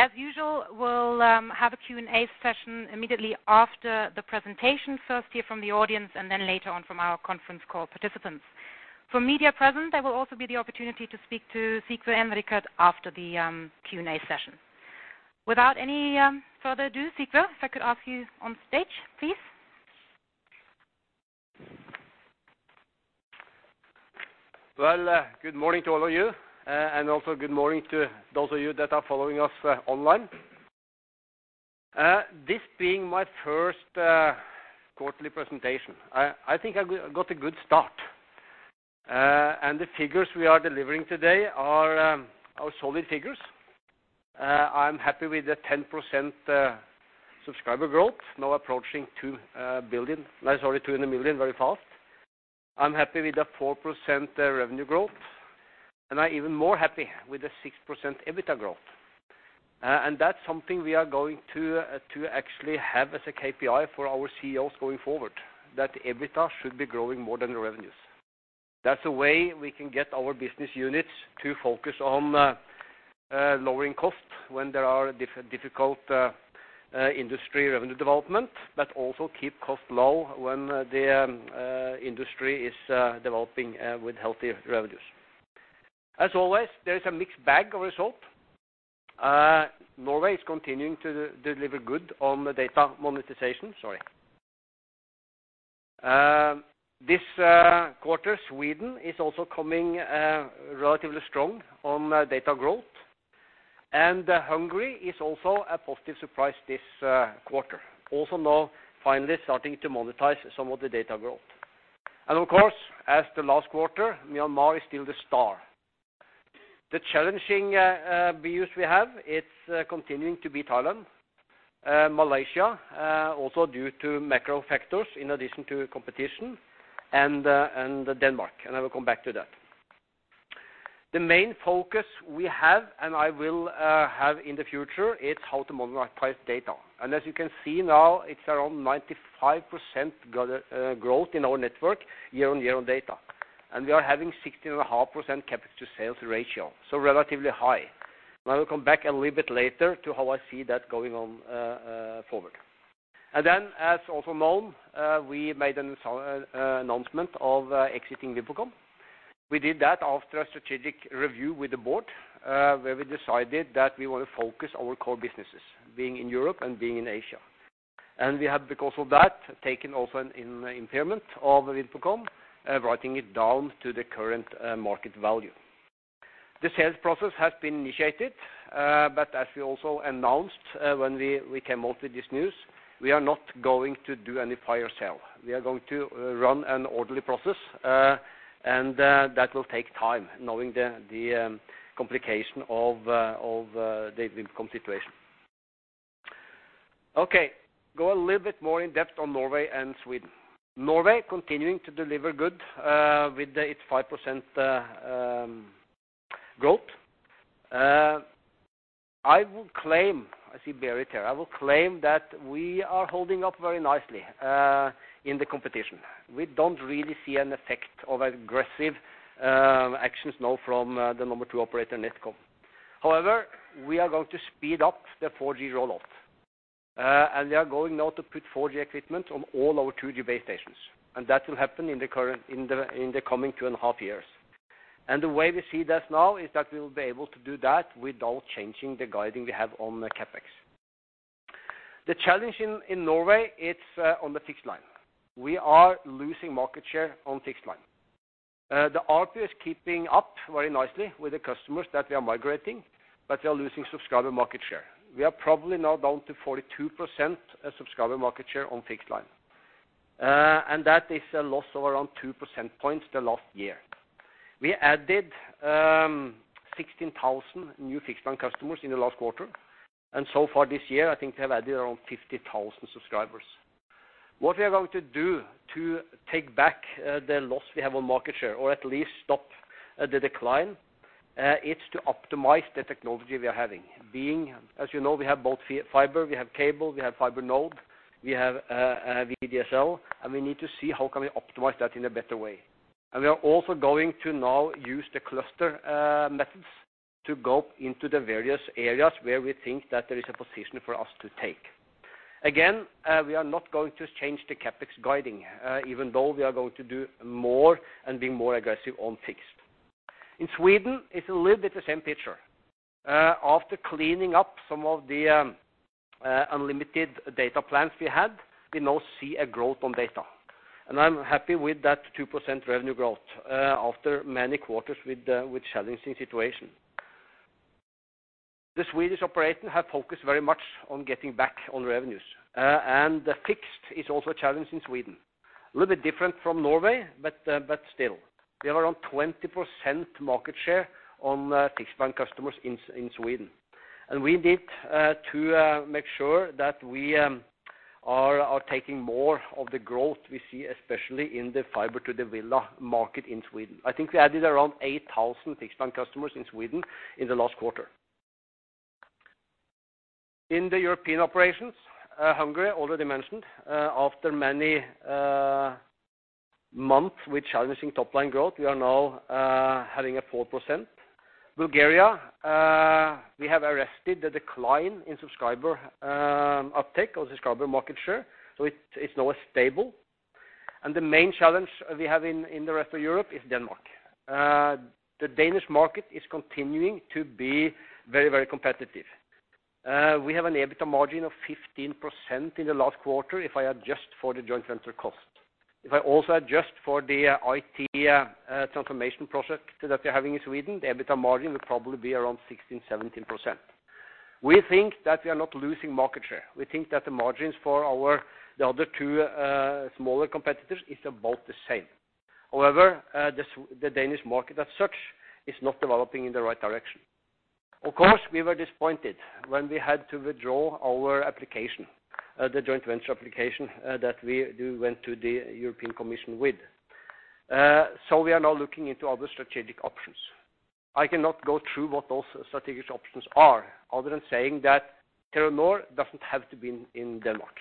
So, as usual, we'll have a Q&A session immediately after the presentation. First, hear from the audience, and then later on, from our conference call participants. For media present, there will also be the opportunity to speak to Sigve and Richard after the Q&A session. Without any further ado, Sigve, if I could ask you on stage, please. Well, good morning to all of you, and also good morning to those of you that are following us online. This being my first quarterly presentation, I think I got a good start. The figures we are delivering today are solid figures. I'm happy with the 10% subscriber growth, now approaching 200 million very fast. I'm happy with the 4% revenue growth, and I'm even more happy with the 6% EBITDA growth. And that's something we are going to actually have as a KPI for our CEOs going forward, that EBITDA should be growing more than the revenues. That's a way we can get our business units to focus on lowering costs when there are difficult industry revenue development, but also keep costs low when the industry is developing with healthy revenues. As always, there is a mixed bag of result. Norway is continuing to deliver good on the data monetization. Sorry. This quarter, Sweden is also coming relatively strong on data growth, and Hungary is also a positive surprise this quarter. Also now finally starting to monetize some of the data growth. And of course, as the last quarter, Myanmar is still the star. The challenging views we have, it's continuing to be Thailand, Malaysia, also due to macro factors in addition to competition, and Denmark, and I will come back to that. The main focus we have, and I will have in the future, is how to monetize data. As you can see now, it's around 95% growth in our network year-on-year on data, and we are having 16.5% CapEx to sales ratio, so relatively high. I will come back a little bit later to how I see that going on, forward. Then, as also known, we made an announcement of exiting VimpelCom. We did that after a strategic review with the board, where we decided that we want to focus our core businesses, being in Europe and being in Asia. We have, because of that, taken also an impairment of VimpelCom, writing it down to the current market value. The sales process has been initiated, but as we also announced, when we came out with this news, we are not going to do any fire sale. We are going to run an orderly process, and that will take time, knowing the complication of the VimpelCom situation. Okay, go a little bit more in depth on Norway and Sweden. Norway continuing to deliver good with its 5% growth. I will claim, I see Berit there. I will claim that we are holding up very nicely in the competition. We don't really see an effect of aggressive actions now from the number two operator, NetCom.However, we are going to speed up the 4G rollout, and we are going now to put 4G equipment on all our 2G base stations, and that will happen in the coming 2.5 years. And the way we see that now is that we will be able to do that without changing the guidance we have on the CapEx. The challenge in Norway is on the fixed line. We are losing market share on fixed line. The ARPU is keeping up very nicely with the customers that we are migrating, but we are losing subscriber market share. We are probably now down to 42% subscriber market share on fixed line, and that is a loss of around 2% points last year. We added 16,000 new fixed line customers in the last quarter, and so far this year, I think we have added around 50,000 subscribers. What we are going to do to take back the loss we have on market share, or at least stop the decline, it's to optimize the technology we are having. Being, as you know, we have both fiber, we have cable, we have fiber node, we have VDSL, and we need to see how can we optimize that in a better way. And we are also going to now use the cluster methods to go into the various areas where we think that there is a position for us to take. Again, we are not going to change the CapEx guiding, even though we are going to do more and be more aggressive on fixed. In Sweden, it's a little bit the same picture. After cleaning up some of the unlimited data plans we had, we now see a growth on data, and I'm happy with that 2% revenue growth, after many quarters with a challenging situation. The Swedish operator have focused very much on getting back on revenues, and the fixed is also a challenge in Sweden. A little bit different from Norway, but still, we are around 20% market share on fixed line customers in Sweden, and we need to make sure that we are taking more of the growth we see, especially in the fiber to the villa market in Sweden. I think we added around 8,000 fixed line customers in Sweden in the last quarter. In the European operations, Hungary already mentioned, after many months with challenging top-line growth, we are now having a 4%. Bulgaria, we have arrested the decline in subscriber uptake or subscriber market share, so it's now stable. And the main challenge we have in the rest of Europe is Denmark. The Danish market is continuing to be very, very competitive. We have an EBITDA margin of 15% in the last quarter if I adjust for the joint venture cost. If I also adjust for the IT transformation project that we're having in Sweden, the EBITDA margin would probably be around 16%-17%. We think that we are not losing market share. We think that the margins for our, the other two, smaller competitors is about the same. However, the Danish market as such is not developing in the right direction. Of course, we were disappointed when we had to withdraw our application, the joint venture application, that we went to the European Commission with. So we are now looking into other strategic options. I cannot go through what those strategic options are, other than saying that Telenor doesn't have to be in Denmark.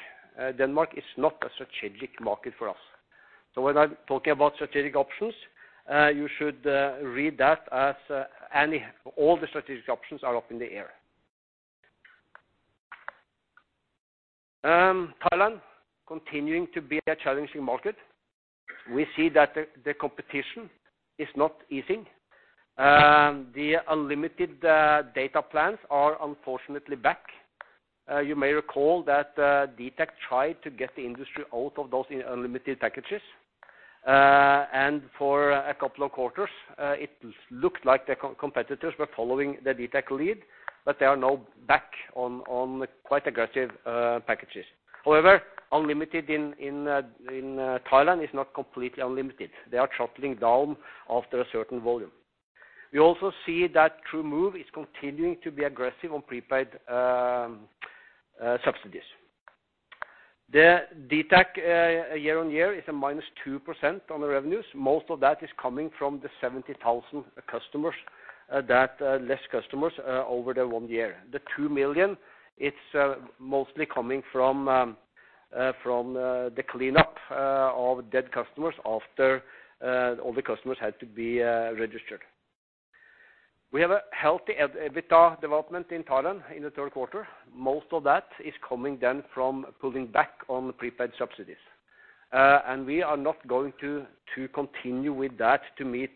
Denmark is not a strategic market for us. So when I'm talking about strategic options, you should read that as all the strategic options are up in the air. Thailand, continuing to be a challenging market. We see that the competition is not easing. The unlimited data plans are unfortunately back. You may recall that, dtac tried to get the industry out of those unlimited packages. For a couple of quarters, it looked like the competitors were following the dtac lead, but they are now back on quite aggressive packages. However, unlimited in Thailand is not completely unlimited. They are throttling down after a certain volume. We also see that TrueMove is continuing to be aggressive on prepaid subsidies. The dtac year-on-year is a -2% on the revenues. Most of that is coming from the 70,000 less customers over the one year. The 2 million, it's mostly coming from the cleanup of dead customers after all the customers had to be registered. We have a healthy EBITDA development in Thailand in the third quarter. Most of that is coming then from pulling back on the prepaid subsidies. And we are not going to to continue with that to meet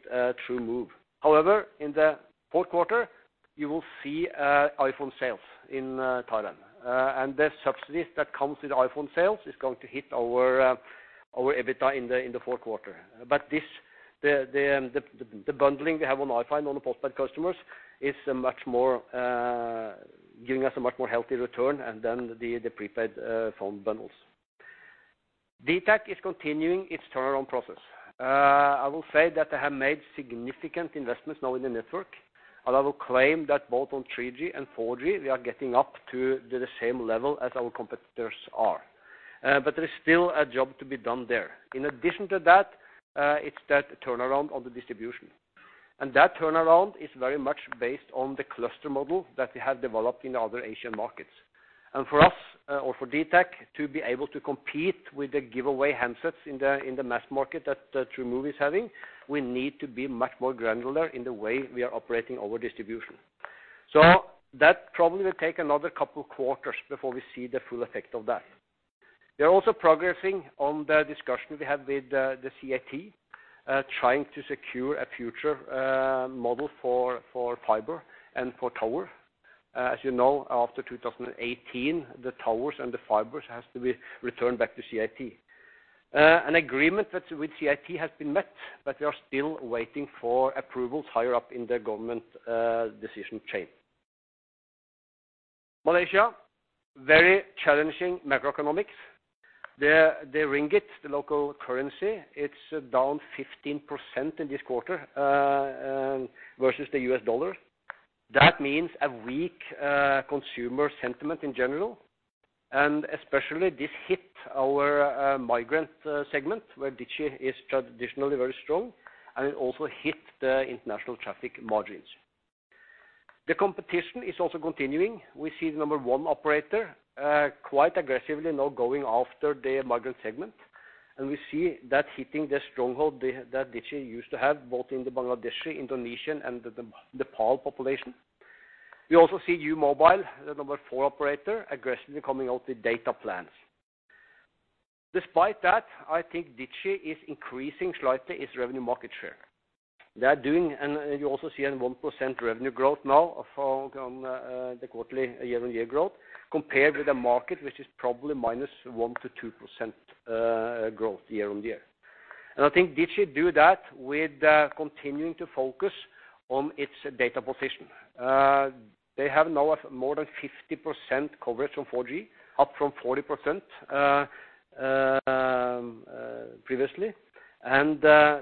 TrueMove. However, in the fourth quarter, you will see iPhone sales in Thailand and the subsidies that comes with iPhone sales is going to hit our our EBITDA in the in the fourth quarter. But this the the the the bundling we have on iPhone on the postpaid customers is a much more giving us a much more healthy return and than the the prepaid phone bundles. dtac is continuing its turnaround process.I will say that they have made significant investments now in the network, and I will claim that both on 3G and 4G, we are getting up to the same level as our competitors are. But there is still a job to be done there. In addition to that, it's that turnaround on the distribution. And that turnaround is very much based on the cluster model that we have developed in other Asian markets. And for us, or for dtac, to be able to compete with the giveaway handsets in the mass market that TrueMove is having, we need to be much more granular in the way we are operating our distribution. So that probably will take another couple quarters before we see the full effect of that. They are also progressing on the discussion we have with the CAT, trying to secure a future model for fiber and for tower. As you know, after 2018, the towers and the fibers has to be returned back to CAT. An agreement with CAT has been met, but we are still waiting for approvals higher up in the government decision chain. Malaysia, very challenging macroeconomics. The ringgit, the local currency, it's down 15% in this quarter versus the US dollar. That means a weak consumer sentiment in general, and especially this hit our migrant segment, where Digi is traditionally very strong, and it also hit the international traffic margins. The competition is also continuing. We see the number one operator, quite aggressively now going after the migrant segment, and we see that hitting the stronghold that Digi used to have, both in the Bangladeshi, Indonesian, and the Nepal population. We also see U Mobile, the number four operator, aggressively coming out with data plans. Despite that, I think Digi is increasing slightly its revenue market share. They are doing, and you also see a 1% revenue growth now for, the quarterly year-on-year growth, compared with the market, which is probably minus 1%-2%, growth year on year. And I think Digi do that with, continuing to focus on its data position. They have now more than 50% coverage on 4G, up from 40%, previously. And,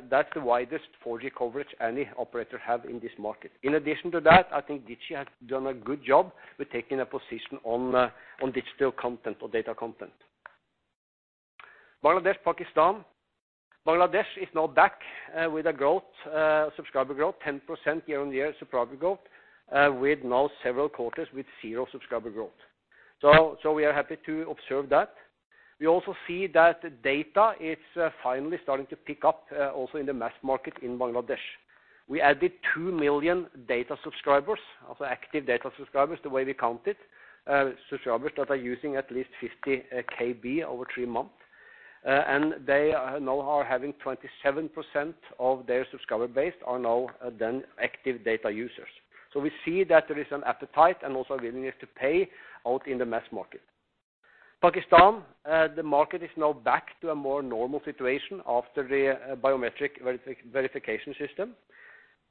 that's the widest 4G coverage any operator have in this market. In addition to that, I think Digi has done a good job with taking a position on digital content or data content. Bangladesh, Pakistan. Bangladesh is now back with a growth, subscriber growth, 10% year-on-year subscriber growth, with now several quarters with zero subscriber growth. So we are happy to observe that. We also see that data is finally starting to pick up, also in the mass market in Bangladesh. We added 2 million data subscribers, also active data subscribers, the way we count it. Subscribers that are using at least 50 KB over three months. And they now are having 27% of their subscriber base are now then active data users. So we see that there is an appetite and also willingness to pay out in the mass market. Pakistan, the market is now back to a more normal situation after the biometric verification system.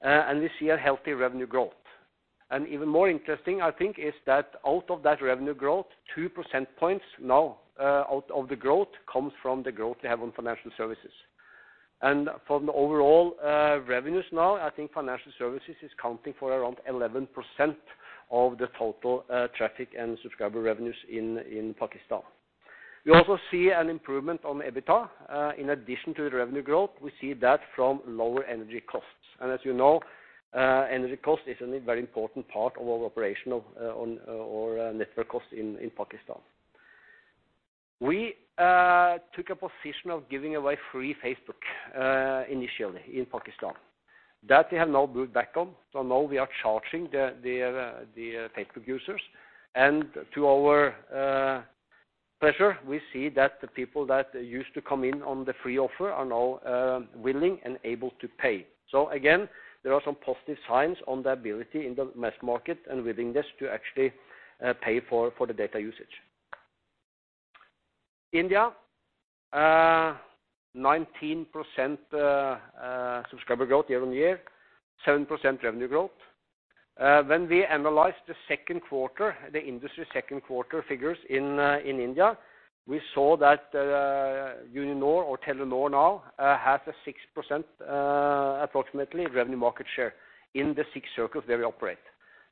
And we see a healthy revenue growth. And even more interesting, I think, is that out of that revenue growth, 2% points now out of the growth comes from the growth we have on financial services. And from the overall revenues now, I think financial services is accounting for around 11% of the total traffic and subscriber revenues in Pakistan. We also see an improvement on EBITDA in addition to the revenue growth. We see that from lower energy costs, and as you know, energy cost is a very important part of our operational on our network cost in Pakistan. We took a position of giving away free Facebook initially in Pakistan. That we have now moved back on, so now we are charging the Facebook users. And to our pleasure, we see that the people that used to come in on the free offer are now willing and able to pay. So again, there are some positive signs on the ability in the mass market and willingness to actually pay for the data usage. India, 19% subscriber growth year-on-year, 7% revenue growth. When we analyzed the second quarter, the industry's second quarter figures in India, we saw that Uninor or Telenor now has a 6%, approximately, revenue market share in the six circles where we operate.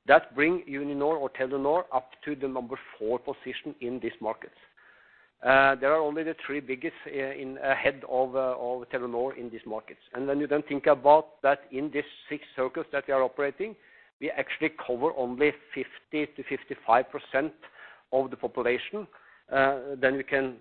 That bring Uninor or Telenor up to the number four position in these markets. There are only the three biggest ahead of Telenor in these markets. When you then think about that in these six circles that we are operating, we actually cover only 50%-55% of the population. Then we can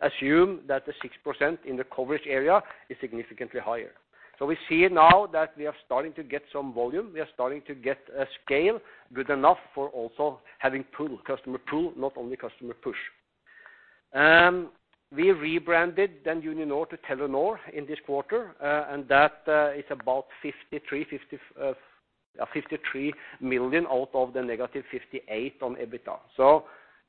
assume that the 6% in the coverage area is significantly higher. So we see now that we are starting to get some volume. We are starting to get a scale good enough for also having pull, customer pull, not only customer push. We rebranded then Uninor to Telenor in this quarter, and that is about 53 million out of the negative 58 million on EBITDA. So,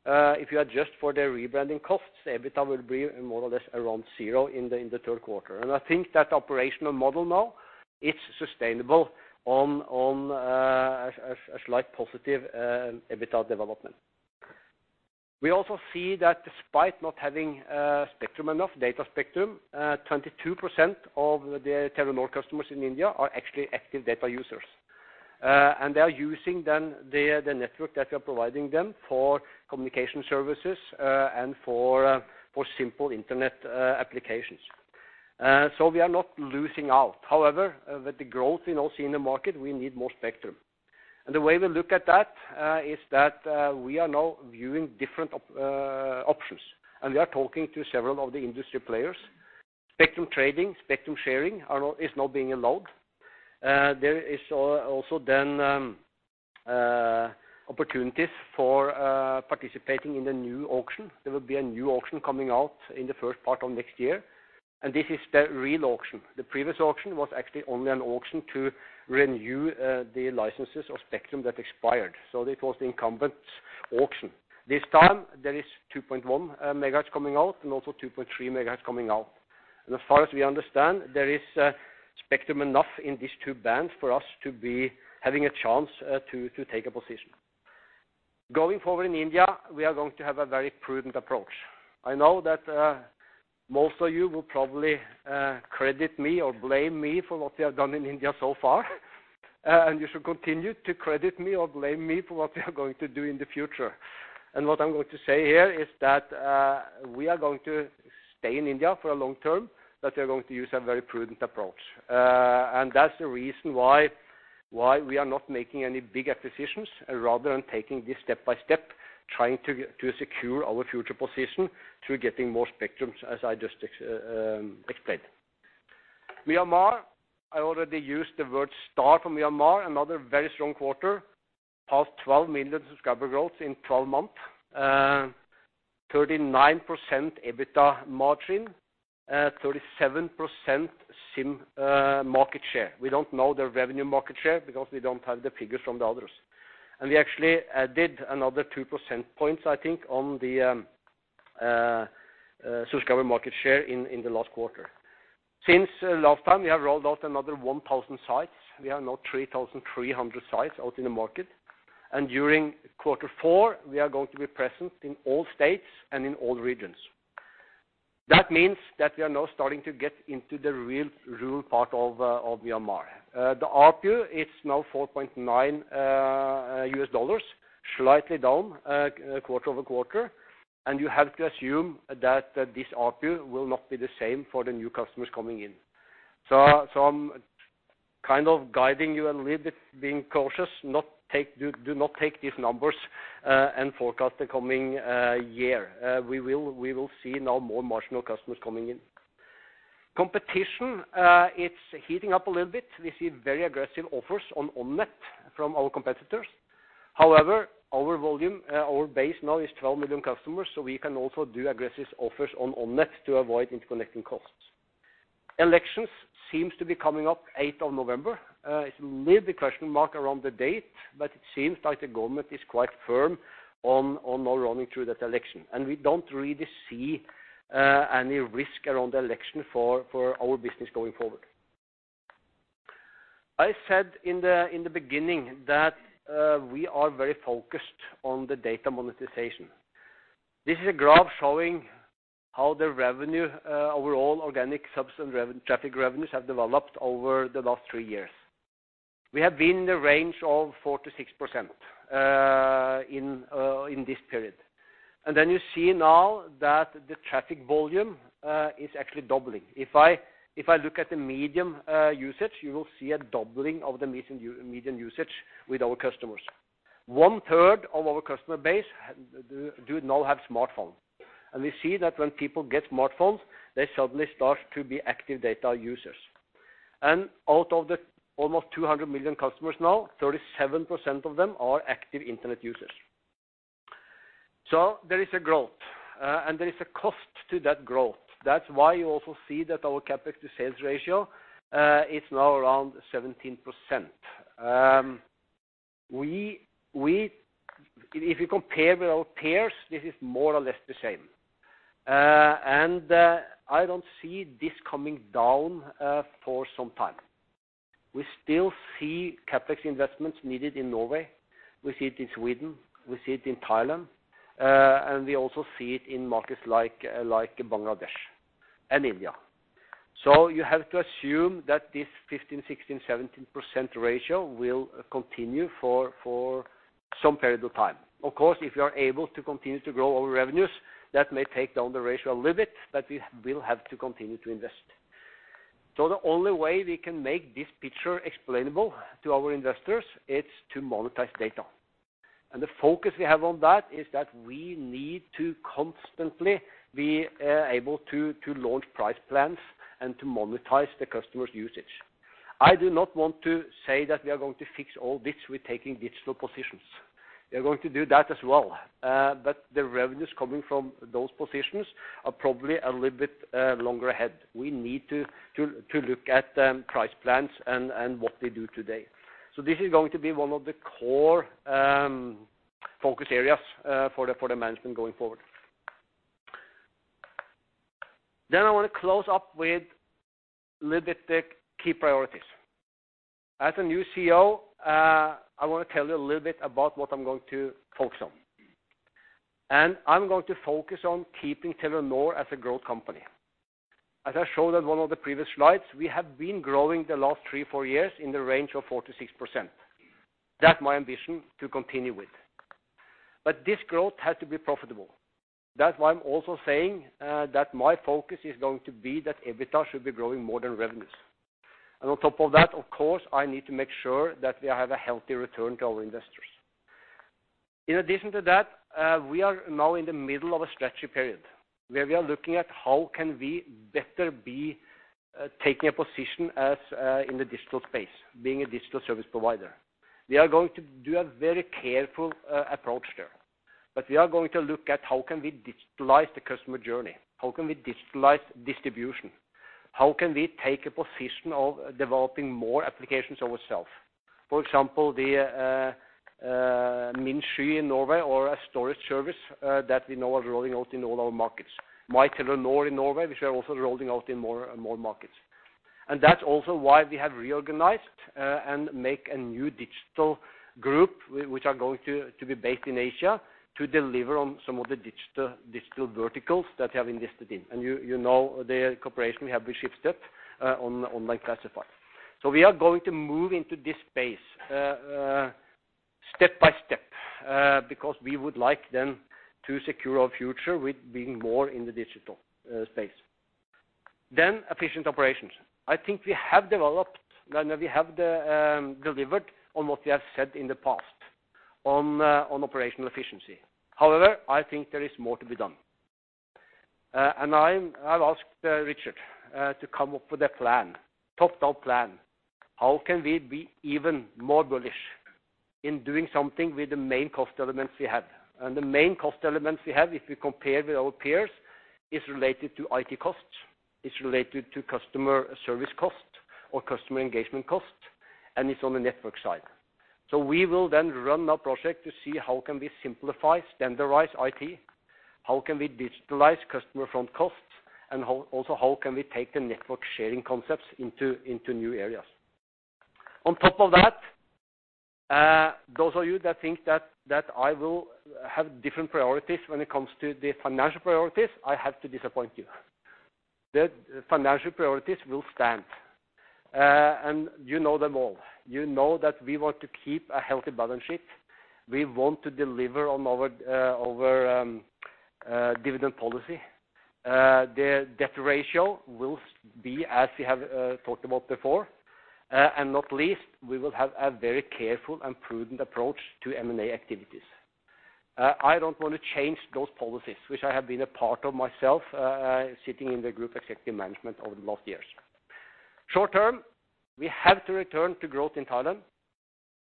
if you adjust for the rebranding costs, the EBITDA will be more or less around zero in the third quarter.I think that operational model now, it's sustainable on a slight positive EBITDA development. We also see that despite not having spectrum enough, data spectrum, 22% of the Telenor customers in India are actually active data users. And they are using then the network that we are providing them for communication services, and for simple internet applications. So we are not losing out. However, with the growth we now see in the market, we need more spectrum. And the way we look at that is that we are now viewing different options, and we are talking to several of the industry players. Spectrum trading, spectrum sharing are now being allowed. There is also then opportunities for participating in the new auction. There will be a new auction coming out in the first part of next year, and this is the real auction. The previous auction was actually only an auction to renew the licenses of spectrum that expired, so it was the incumbent's auction. This time, there is 2.1 MHz coming out and also 2.3 MHz coming out. And as far as we understand, there is spectrum enough in these two bands for us to be having a chance to take a position. Going forward in India, we are going to have a very prudent approach. I know that most of you will probably credit me or blame me for what we have done in India so far. And you should continue to credit me or blame me for what we are going to do in the future. What I'm going to say here is that we are going to stay in India for a long term, but we are going to use a very prudent approach. And that's the reason why, why we are not making any big acquisitions, rather than taking this step by step, trying to, to secure our future position through getting more spectrums, as I just explained. Myanmar, I already used the word star for Myanmar, another very strong quarter. Past 12 million subscriber growth in 12 months. 39% EBITDA margin, 37% SIM market share. We don't know the revenue market share because we don't have the figures from the others. And we actually added another 2% points, I think, on the subscriber market share in the last quarter. Since last time, we have rolled out another 1,000 sites. We are now 3,300 sites out in the market, and during quarter four, we are going to be present in all states and in all regions. That means that we are now starting to get into the real rural part of Myanmar. The ARPU is now $4.9, slightly down quarter-over-quarter, and you have to assume that this ARPU will not be the same for the new customers coming in. So, I'm kind of guiding you a little bit, being cautious, do not take these numbers and forecast the coming year. We will see now more marginal customers coming in. Competition, it's heating up a little bit. We see very aggressive offers on net from our competitors. However, our volume, our base now is 12 million customers, so we can also do aggressive offers on net to avoid interconnecting costs. Elections seems to be coming up eighth of November. It's a little bit question mark around the date, but it seems like the government is quite firm on now running through that election, and we don't really see any risk around the election for our business going forward. I said in the beginning that we are very focused on the data monetization. This is a graph showing how the revenue overall organic subs and revenue, traffic revenues have developed over the last three years. We have been in the range of 4%-6% in this period. Then you see now that the traffic volume is actually doubling. If I look at the median usage, you will see a doubling of the median usage with our customers. 1/3 of our customer base do now have smartphone, and we see that when people get smartphones, they suddenly start to be active data users. And out of the almost 200 million customers now, 37% of them are active internet users. So there is a growth, and there is a cost to that growth. That's why you also see that our CapEx to sales ratio is now around 17%. If you compare with our peers, this is more or less the same. And I don't see this coming down for some time. We still see CapEx investments needed in Norway, we see it in Sweden, we see it in Thailand, and we also see it in markets like Bangladesh and India. So you have to assume that this 15%-17% ratio will continue for some period of time. Of course, if you are able to continue to grow our revenues, that may take down the ratio a little bit, but we will have to continue to invest. So the only way we can make this picture explainable to our investors is to monetize data. And the focus we have on that is that we need to constantly be able to launch price plans and to monetize the customer's usage. I do not want to say that we are going to fix all this with taking digital positions. We are going to do that as well, but the revenues coming from those positions are probably a little bit longer ahead. We need to look at the price plans and what they do today. So this is going to be one of the core focus areas for the management going forward. Then I want to close up with a little bit the key priorities. As a new CEO, I want to tell you a little bit about what I'm going to focus on. And I'm going to focus on keeping Telenor as a growth company. As I showed on one of the previous slides, we have been growing the last 3-4 years in the range of 4%-6%. That's my ambition to continue with. But this growth has to be profitable. That's why I'm also saying, that my focus is going to be that EBITDA should be growing more than revenues. And on top of that, of course, I need to make sure that we have a healthy return to our investors. In addition to that, we are now in the middle of a strategy period, where we are looking at how can we better be, taking a position as, in the digital space, being a digital service provider. We are going to do a very careful, approach there, but we are going to look at how can we digitalize the customer journey? How can we digitalize distribution? How can we take a position of developing more applications ourselves? For example, the Min Sky in Norway, or a storage service, that we now are rolling out in all our markets.My Telenor in Norway, which we are also rolling out in more and more markets. And that's also why we have reorganized and make a new digital group, which are going to be based in Asia, to deliver on some of the digital verticals that we have invested in. And you know, the cooperation we have with Schibsted on classifieds. So we are going to move into this space step by step, because we would like then to secure our future with being more in the digital space. Then efficient operations. I think we have developed, and we have delivered on what we have said in the past on operational efficiency. However, I think there is more to be done. I've asked Richard to come up with a plan, top-down plan. How can we be even more bullish in doing something with the main cost elements we have? And the main cost elements we have, if we compare with our peers, is related to IT costs, it's related to customer service costs or customer engagement costs, and it's on the network side. So we will then run a project to see how can we simplify, standardize IT, how can we digitalize customer front costs, and how also, how can we take the network sharing concepts into new areas? On top of that, those of you that think that I will have different priorities when it comes to the financial priorities, I have to disappoint you. The financial priorities will stand, and you know them all. You know that we want to keep a healthy balance sheet. We want to deliver on our dividend policy. The debt ratio will be, as we have talked about before, and not least, we will have a very careful and prudent approach to M&A activities. I don't want to change those policies, which I have been a part of myself, sitting in the group executive management over the last years. Short term, we have to return to growth in Thailand.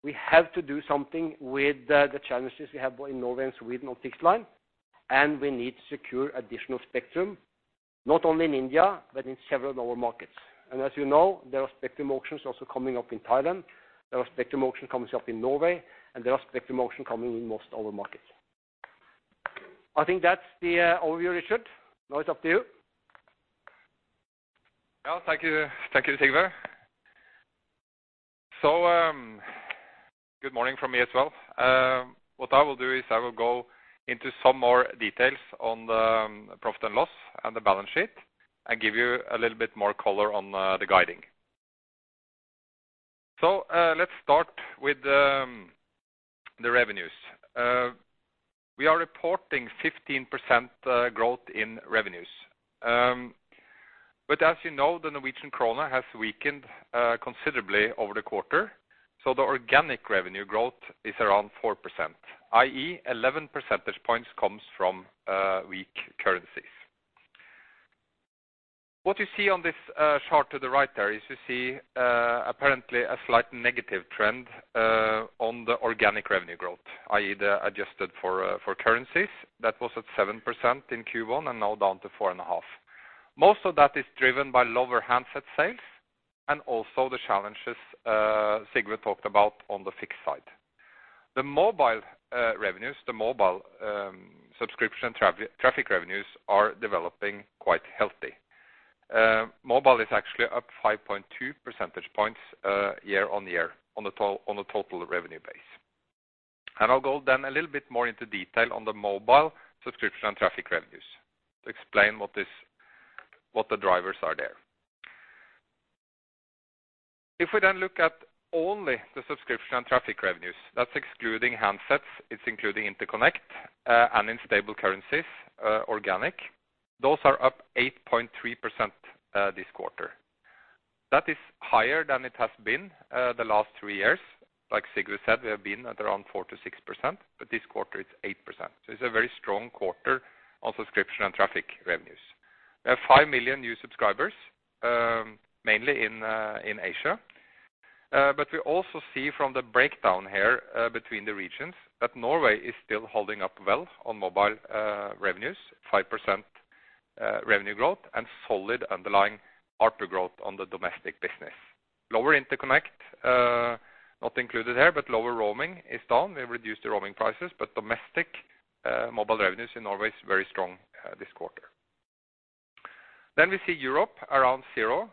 We have to do something with the challenges we have in Norway and Sweden on fixed line, and we need to secure additional spectrum, not only in India, but in several other markets. As you know, there are spectrum auctions also coming up in Thailand, there are spectrum auction coming up in Norway, and there are spectrum auction coming in most other markets. I think that's the overview, Richard. Now it's up to you. Yeah, thank you. Thank you, Sigve. So, good morning from me as well. What I will do is I will go into some more details on the profit and loss and the balance sheet, and give you a little bit more color on the guiding. So, let's start with the revenues. We are reporting 15% growth in revenues. But as you know, the Norwegian kroner has weakened considerably over the quarter, so the organic revenue growth is around 4%, i.e., 11% points comes from weak currencies. What you see on this chart to the right there, is you see apparently a slight negative trend on the organic revenue growth, i.e., the adjusted for currencies. That was at 7% in Q1, and now down to 4.5%.Most of that is driven by lower handset sales, and also the challenges Sigve talked about on the fixed side. The mobile revenues, the mobile subscription and traffic revenues are developing quite healthy. Mobile is actually up 5.2% points year-on-year on the total revenue base. I'll go then a little bit more into detail on the mobile subscription and traffic revenues to explain what the drivers are there. If we then look at only the subscription and traffic revenues, that's excluding handsets, it's including interconnect, and in stable currencies organic, those are up 8.3% this quarter. That is higher than it has been the last three years. Like Sigve said, we have been at around 4%-6%, but this quarter it's 8%. So it's a very strong quarter on subscription and traffic revenues. We have 5 million new subscribers, mainly in Asia. But we also see from the breakdown here, between the regions, that Norway is still holding up well on mobile revenues, 5% revenue growth and solid underlying ARPU growth on the domestic business. Lower interconnect not included here, but lower roaming is down. We've reduced the roaming prices, but domestic mobile revenues in Norway is very strong this quarter. Then we see Europe around zero.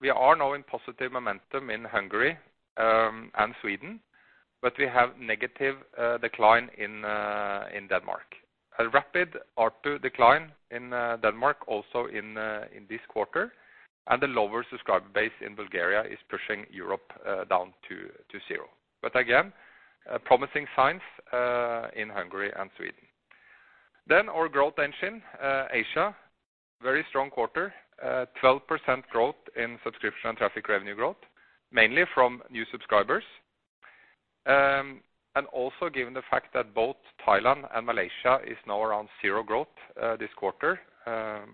We are now in positive momentum in Hungary and Sweden, but we have negative decline in Denmark. A rapid ARPU decline in Denmark also in this quarter, and the lower subscriber base in Bulgaria is pushing Europe down to zero. But again, promising signs in Hungary and Sweden. Then our growth engine, Asia, very strong quarter, 12% growth in subscription and traffic revenue growth, mainly from new subscribers. And also given the fact that both Thailand and Malaysia is now around zero growth, this quarter,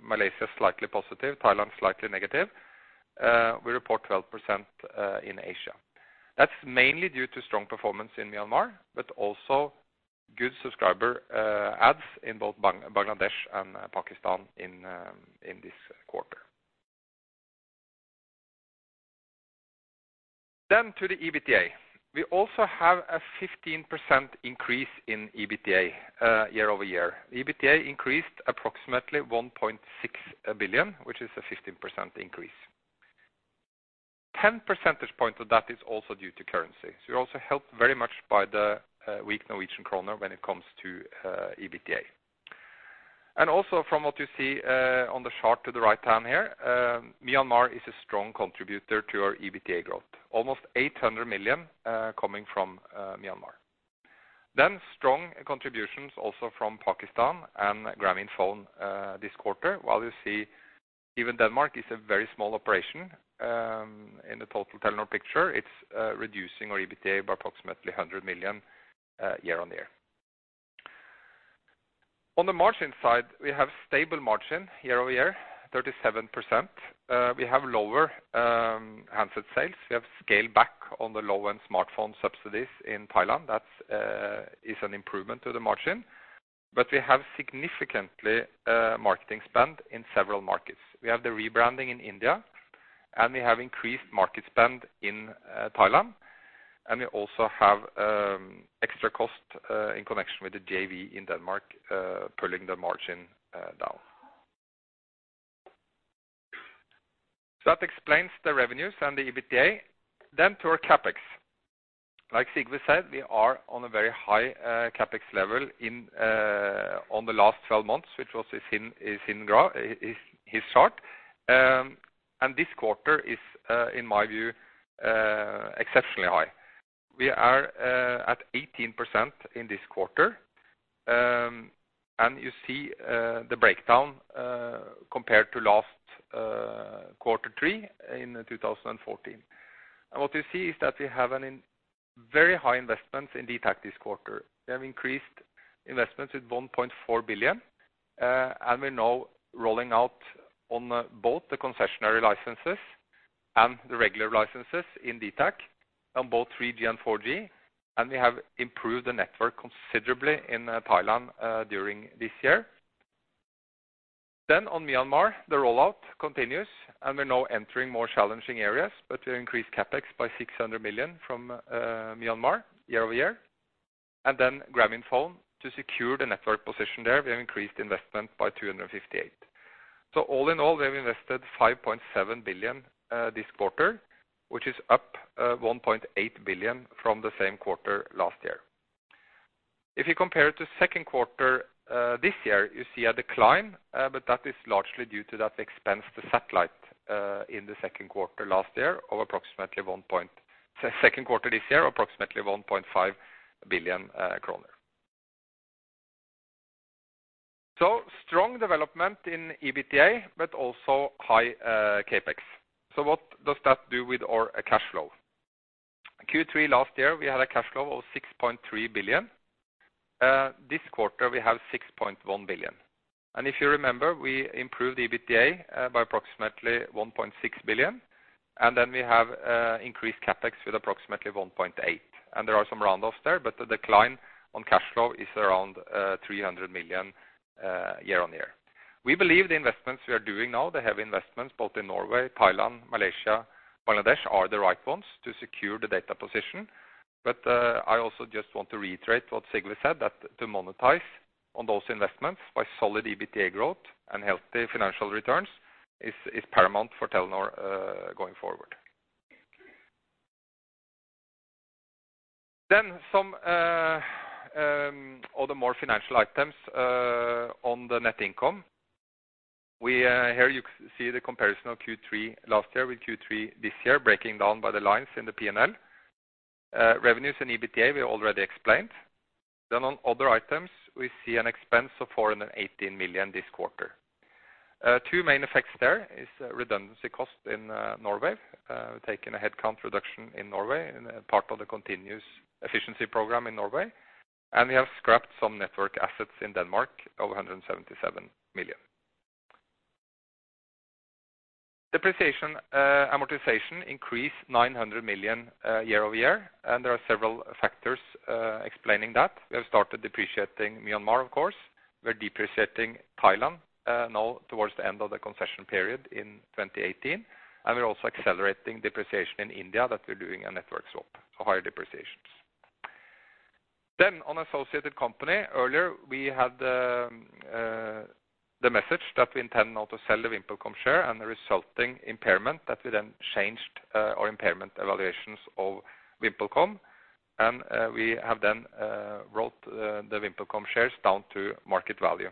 Malaysia slightly positive, Thailand slightly negative, we report 12% in Asia. That's mainly due to strong performance in Myanmar, but also good subscriber adds in both Bangladesh and Pakistan in, in this quarter. Then to the EBITDA. We also have a 15% increase in EBITDA, year-over-year. EBITDA increased approximately 1.6 billion, which is a 15% increase. 10% points of that is also due to currency. So we're also helped very much by the weak Norwegian kroner when it comes to EBITDA. Also from what you see on the chart to the right down here, Myanmar is a strong contributor to our EBITDA growth, almost 800 million coming from Myanmar. Then strong contributions also from Pakistan and Grameenphone this quarter, while you see even Denmark is a very small operation in the total Telenor picture, it's reducing our EBITDA by approximately 100 million year-over-year. On the margin side, we have stable margin year-over-year, 37%. We have lower handset sales. We have scaled back on the low-end smartphone subsidies in Thailand. That is an improvement to the margin, but we have significantly marketing spend in several markets. We have the rebranding in India, and we have increased market spend in Thailand, and we also have extra cost in connection with the JV in Denmark pulling the margin down. So that explains the revenues and the EBITDA. Then to our CapEx. Like Sigve said, we are on a very high CapEx level on the last 12 months, which is in his chart. And this quarter is, in my view, exceptionally high. We are at 18% in this quarter, and you see the breakdown compared to last quarter three in 2014. And what you see is that we have very high investments in dtac this quarter. We have increased investments with 1.4 billion, and we're now rolling out on both the concessionary licenses and the regular licenses in dtac on both 3G and 4G, and we have improved the network considerably in Thailand during this year. Then on Myanmar, the rollout continues, and we're now entering more challenging areas, but we increased CapEx by 600 million from Myanmar year-over-year, and then Grameenphone to secure the network position there, we have increased investment by 258 million. So all in all, we have invested 5.7 billion this quarter, which is up 1.8 billion from the same quarter last year. If you compare it to second quarter this year, you see a decline, but that is largely due to that expense, the satellite, in the second quarter this year of approximately 1.5 billion kroner. So strong development in EBITDA, but also high CapEx. So what does that do with our cash flow? Q3 last year, we had a cash flow of 6.3 billion. This quarter, we have 6.1 billion. And if you remember, we improved EBITDA by approximately 1.6 billion, and then we have increased CapEx with approximately 1.8 billion. And there are some round offs there, but the decline on cash flow is around 300 million year-on-year. We believe the investments we are doing now, the heavy investments, both in Norway, Thailand, Malaysia, Bangladesh, are the right ones to secure the data position. But, I also just want to reiterate what Sigve said, that to monetize on those investments by solid EBITDA growth and healthy financial returns is, is paramount for Telenor, going forward. Then some, other more financial items, on the net income. We, here you see the comparison of Q3 last year with Q3 this year, breaking down by the lines in the P&L. Revenues and EBITDA, we already explained. Then on other items, we see an expense of 418 million this quarter. Two main effects there is redundancy cost in, Norway. We've taken a headcount reduction in Norway in part of the continuous efficiency program in Norway, and we have scrapped some network assets in Denmark of 177 million. Depreciation, amortization increased 900 million, year-over-year, and there are several factors explaining that. We have started depreciating Myanmar, of course. We're depreciating Thailand, now towards the end of the concession period in 2018, and we're also accelerating depreciation in India, that we're doing a network swap, so higher depreciations. Then on associated company, earlier, we had the, the message that we intend now to sell the VimpelCom share and the resulting impairment, that we then changed, our impairment evaluations of VimpelCom, and, we have then, wrote the, the VimpelCom shares down to market value.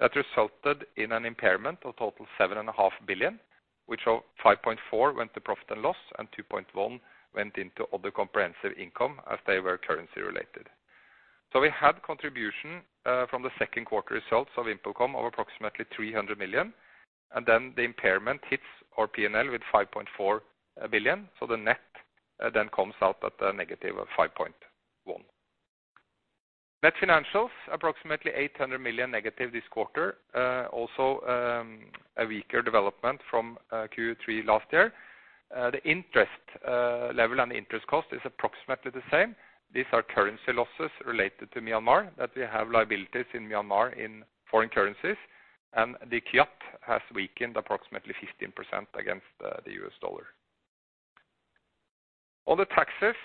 That resulted in an impairment of total 7.5 billion, which 5.4 billion went to profit and loss, and 2.1 billion went into other comprehensive income as they were currency related. So we had contribution from the second quarter results of VimpelCom of approximately 300 million, and then the impairment hits our P&L with 5.4 billion. So the net then comes out at a negative of 5.1 billion. Net financials, approximately 800 million negative this quarter, also a weaker development from Q3 last year. The interest level and the interest cost is approximately the same. These are currency losses related to Myanmar, that we have liabilities in Myanmar in foreign currencies, and the kyat has weakened approximately 15% against the US dollar. On the taxes,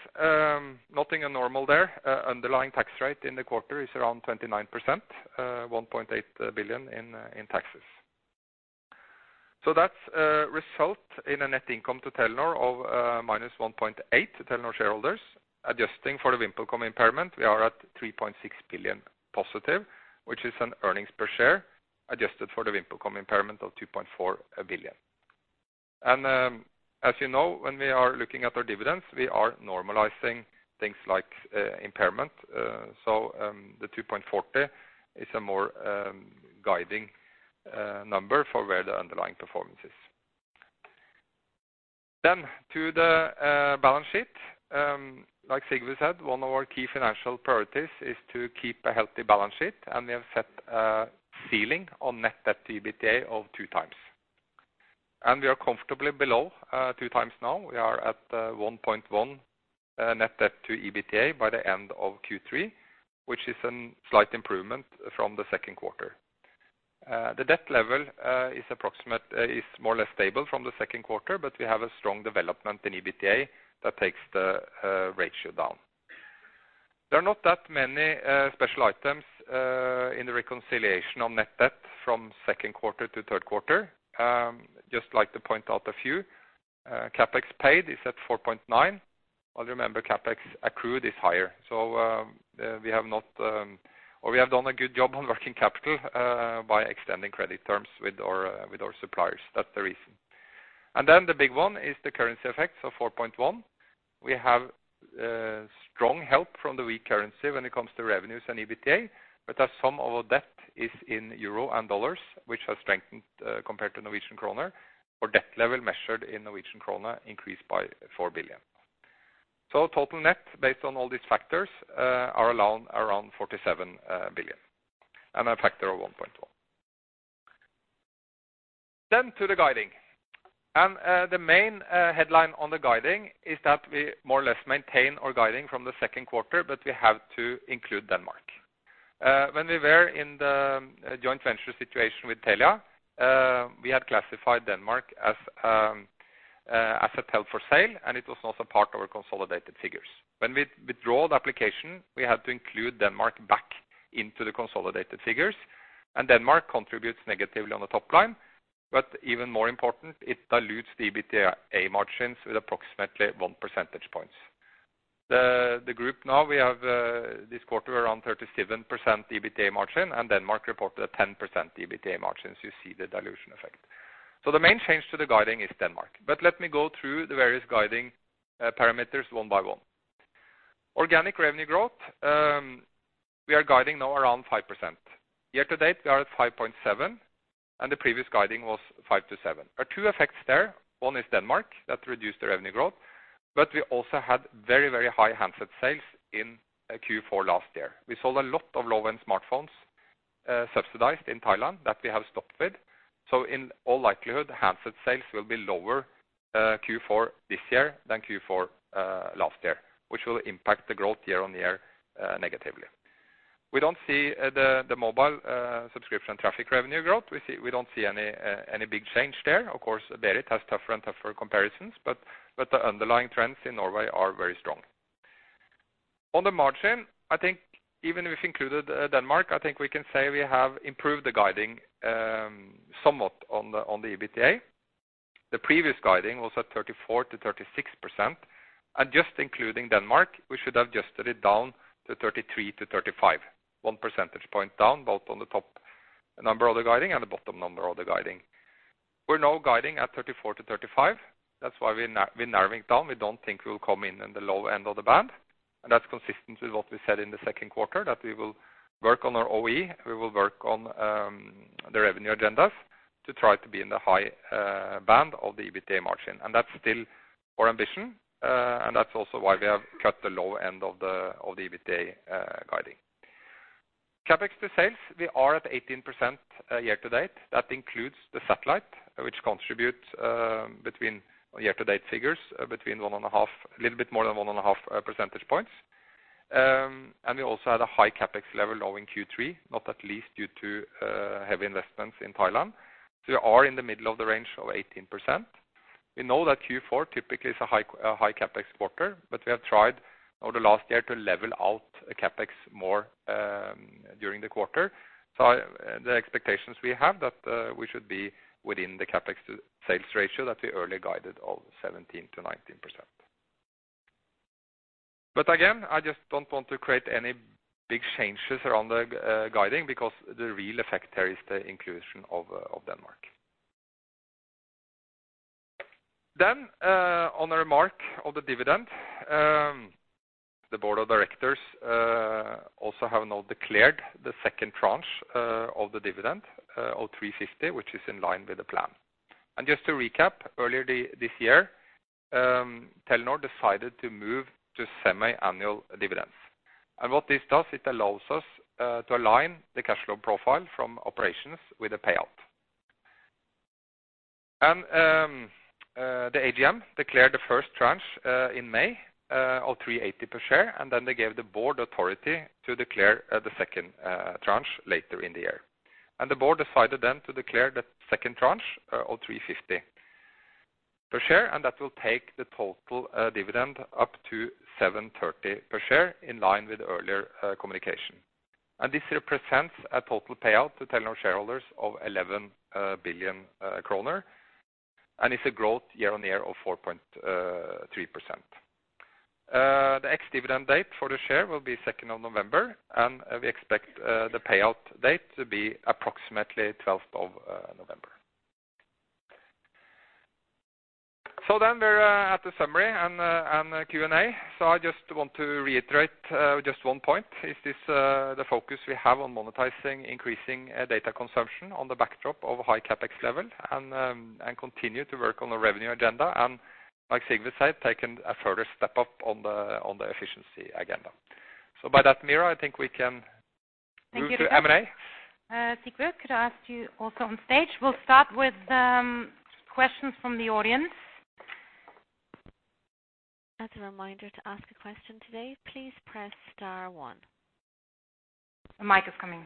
nothing abnormal there. Underlying tax rate in the quarter is around 29%, 1.8 billion in taxes. So that's result in a net income to Telenor of minus 1.8 billion to Telenor shareholders. Adjusting for the VimpelCom impairment, we are at 3.6 billion positive, which is an earnings per share, adjusted for the VimpelCom impairment of 2.4 billion. And, as you know, when we are looking at our dividends, we are normalizing things like impairment. So, the 2.40 is a more guiding number for where the underlying performance is. Then to the balance sheet. Like Sigve said, one of our key financial priorities is to keep a healthy balance sheet, and we have set a ceiling on net debt to EBITDA of 2x.We are comfortably below 2x now. We are at 1.1 net debt to EBITDA by the end of Q3, which is a slight improvement from the second quarter. The debt level is more or less stable from the second quarter, but we have a strong development in EBITDA that takes the ratio down. There are not that many special items in the reconciliation on net debt from second quarter to third quarter. Just like to point out a few. CapEx paid is at 4.9, but remember, CapEx accrued is higher. So, we have done a good job on working capital by extending credit terms with our suppliers. That's the reason. And then the big one is the currency effects of NOK 4.1.We have strong help from the weak currency when it comes to revenues and EBITDA, but as some of our debt is in euro and dollars, which has strengthened compared to Norwegian kroner, our debt level measured in Norwegian kroner increased by 4 billion. So total net, based on all these factors, are around forty-seven billion and a factor of 1.1. Then to the guidance. The main headline on the guidance is that we more or less maintain our guidance from the second quarter, but we have to include Denmark. When we were in the joint venture situation with Telia, we had classified Denmark as held for sale, and it was not a part of our consolidated figures. When we withdraw the application, we had to include Denmark back into the consolidated figures, and Denmark contributes negatively on the top line, but even more important, it dilutes the EBITDA margins with approximately one percentage point. The group now, we have this quarter around 37% EBITDA margin, and Denmark reported a 10% EBITDA margin, so you see the dilution effect. So the main change to the guiding is Denmark. But let me go through the various guiding parameters one by one. Organic revenue growth, we are guiding now around 5%. Year to date, we are at 5.7, and the previous guiding was 5-7. There are two effects there. One is Denmark, that reduced the revenue growth, but we also had very, very high handset sales in Q4 last year. We sold a lot of low-end smartphones, subsidized in Thailand, that we have stopped with. So in all likelihood, handset sales will be lower, Q4 this year than Q4 last year, which will impact the growth year-on-year negatively. We don't see the mobile subscription traffic revenue growth. We don't see any big change there. Of course, Berit has tougher and tougher comparisons, but the underlying trends in Norway are very strong. On the margin, I think even if we've included Denmark, I think we can say we have improved the guiding somewhat on the EBITDA. The previous guiding was at 34%-36%, and just including Denmark, we should have adjusted it down to 33%-35%.1% point down, both on the top number of the guiding and the bottom number of the guiding. We're now guiding at 34-35. That's why we're narrowing it down. We don't think we will come in in the lower end of the band, and that's consistent with what we said in the second quarter, that we will work on our OE. We will work on the revenue agendas to try to be in the high band of the EBITDA margin, and that's still our ambition, and that's also why we have cut the low end of the EBITDA guiding. CapEx to sales, we are at 18%, year to date. That includes the satellite, which contributes between year to date figures between 1.5%... A little bit more than 1.5% points. And we also had a high CapEx level, low in Q3, not least due to heavy investments in Thailand. So we are in the middle of the range of 18%. We know that Q4 typically is a high CapEx quarter, but we have tried over the last year to level out CapEx more during the quarter. So the expectations we have, that we should be within the CapEx to sales ratio that we earlier guided of 17%-19%. But again, I just don't want to create any big changes around the guiding, because the real effect there is the inclusion of Denmark. On the remark of the dividend, the board of directors also have now declared the second tranche of the dividend of 3.50, which is in line with the plan. Just to recap, earlier this year, Telenor decided to move to semi-annual dividends. What this does, it allows us to align the cash flow profile from operations with a payout. The AGM declared the first tranche in May of 3.80 per share, and then they gave the board authority to declare the second tranche later in the year. The board decided then to declare the second tranche of 3.50 per share, and that will take the total dividend up to 7.30 per share, in line with earlier communication. This represents a total payout to Telenor shareholders of 11 billion kroner, and it's a growth year-on-year of 4.3%. The ex-dividend date for the share will be second of November, and we expect the payout date to be approximately twelfth of November. So then we're at the summary and Q&A. So I just want to reiterate just one point. It is the focus we have on monetizing, increasing data consumption on the backdrop of high CapEx level and continue to work on the revenue agenda, and like Sigve said, taking a further step up on the efficiency agenda. So by that, Meera, I think we can move to Q&A. Sigve, could I ask you also on stage? We'll start with questions from the audience. As a reminder, to ask a question today, please press star one. The mic is coming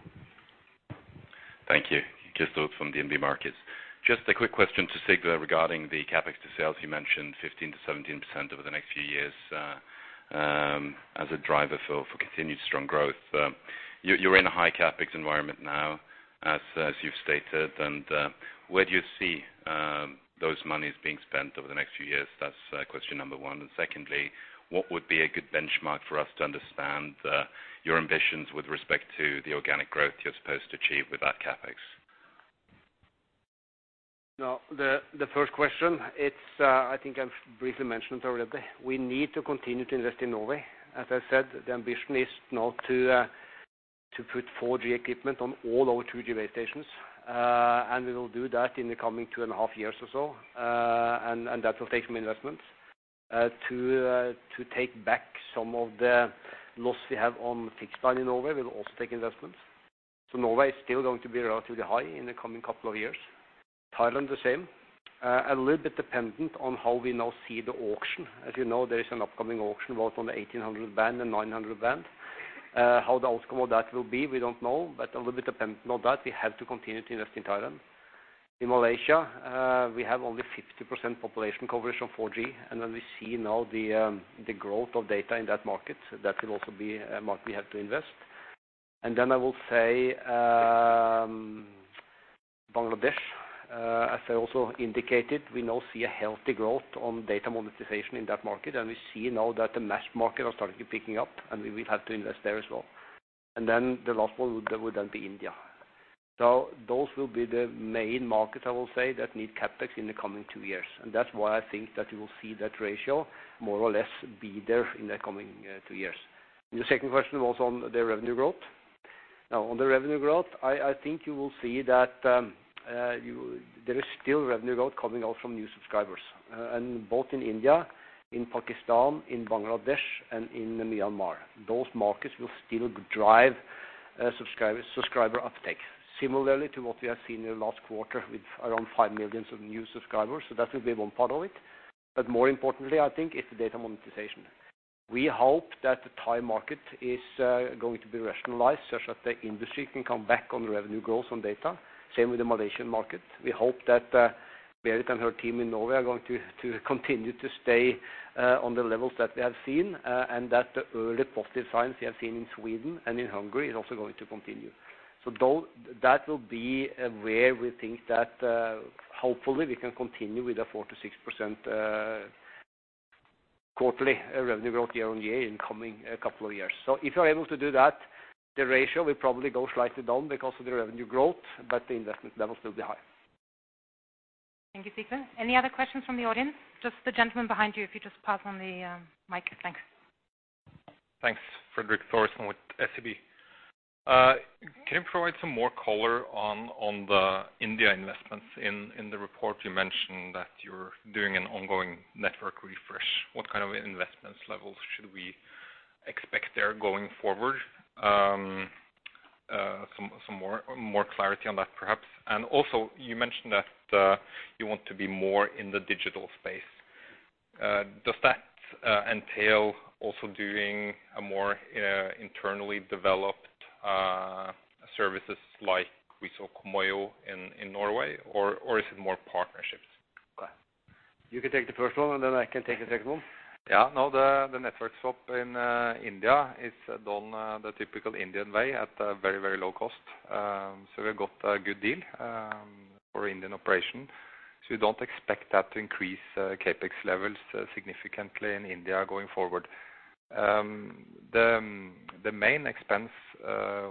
first. Thank you. Christoffer from DNB Markets. Just a quick question to Sigve regarding the CapEx to sales. You mentioned 15%-17% over the next few years as a driver for continued strong growth. You're in a high CapEx environment now, as you've stated, and where do you see those monies being spent over the next few years? That's question number one. And secondly, what would be a good benchmark for us to understand your ambitions with respect to the organic growth you're supposed to achieve with that CapEx? Now, the first question, it's, I think I've briefly mentioned already. We need to continue to invest in Norway. As I said, the ambition is now to put 4G equipment on all our 2G base stations. And we will do that in the coming two and a half years or so, and that will take some investments. To take back some of the loss we have on fixed line in Norway will also take investments. So Norway is still going to be relatively high in the coming couple of years. Thailand, the same. A little bit dependent on how we now see the auction. As you know, there is an upcoming auction, both on the 1800 band and 900 band. How the outcome of that will be, we don't know, but a little bit dependent on that, we have to continue to invest in Thailand. In Malaysia, we have only 50% population coverage on 4G, and then we see now the growth of data in that market. That will also be a market we have to invest. And then I will say, Bangladesh, as I also indicated, we now see a healthy growth on data monetization in that market, and we see now that the mass market are starting to picking up, and we will have to invest there as well. And then the last one would then be India. So those will be the main markets, I will say, that need CapEx in the coming two years. That's why I think that you will see that ratio more or less be there in the coming two years. The second question was on the revenue growth. Now, on the revenue growth, I think you will see that there is still revenue growth coming out from new subscribers, and both in India, in Pakistan, in Bangladesh, and in Myanmar. Those markets will still drive subscribers, subscriber uptake. Similarly to what we have seen in the last quarter, with around 5 million new subscribers, so that will be one part of it. But more importantly, I think, it's the data monetization. We hope that the Thai market is going to be rationalized, such that the industry can come back on the revenue growth on data. Same with the Malaysian market. We hope that, Berit and her team in Norway are going to, to continue to stay, on the levels that we have seen, and that the early positive signs we have seen in Sweden and in Hungary is also going to continue. So that will be where we think that, hopefully we can continue with a 4%-6% quarterly revenue growth year-on-year in coming couple of years. So if we are able to do that, the ratio will probably go slightly down because of the revenue growth, but the investment level will still be high. Thank you, Sigve. Any other questions from the audience? Just the gentleman behind you, if you just pass on the mic. Thanks. Thanks. Fredrik Thoresen with SEB. Can you provide some more color on the India investments? In the report, you mentioned that you're doing an ongoing network refresh. What kind of investment levels should we expect there going forward? Some more clarity on that, perhaps. And also, you mentioned that you want to be more in the digital space. Does that entail also doing a more internally developed services like we saw Comoyo in Norway, or is it more partnerships? You can take the first one, and then I can take the second one. Yeah, no, the network swap in India is done the typical Indian way, at a very, very low cost. So we got a good deal for Indian operation. So we don't expect that to increase CapEx levels significantly in India going forward. The main expense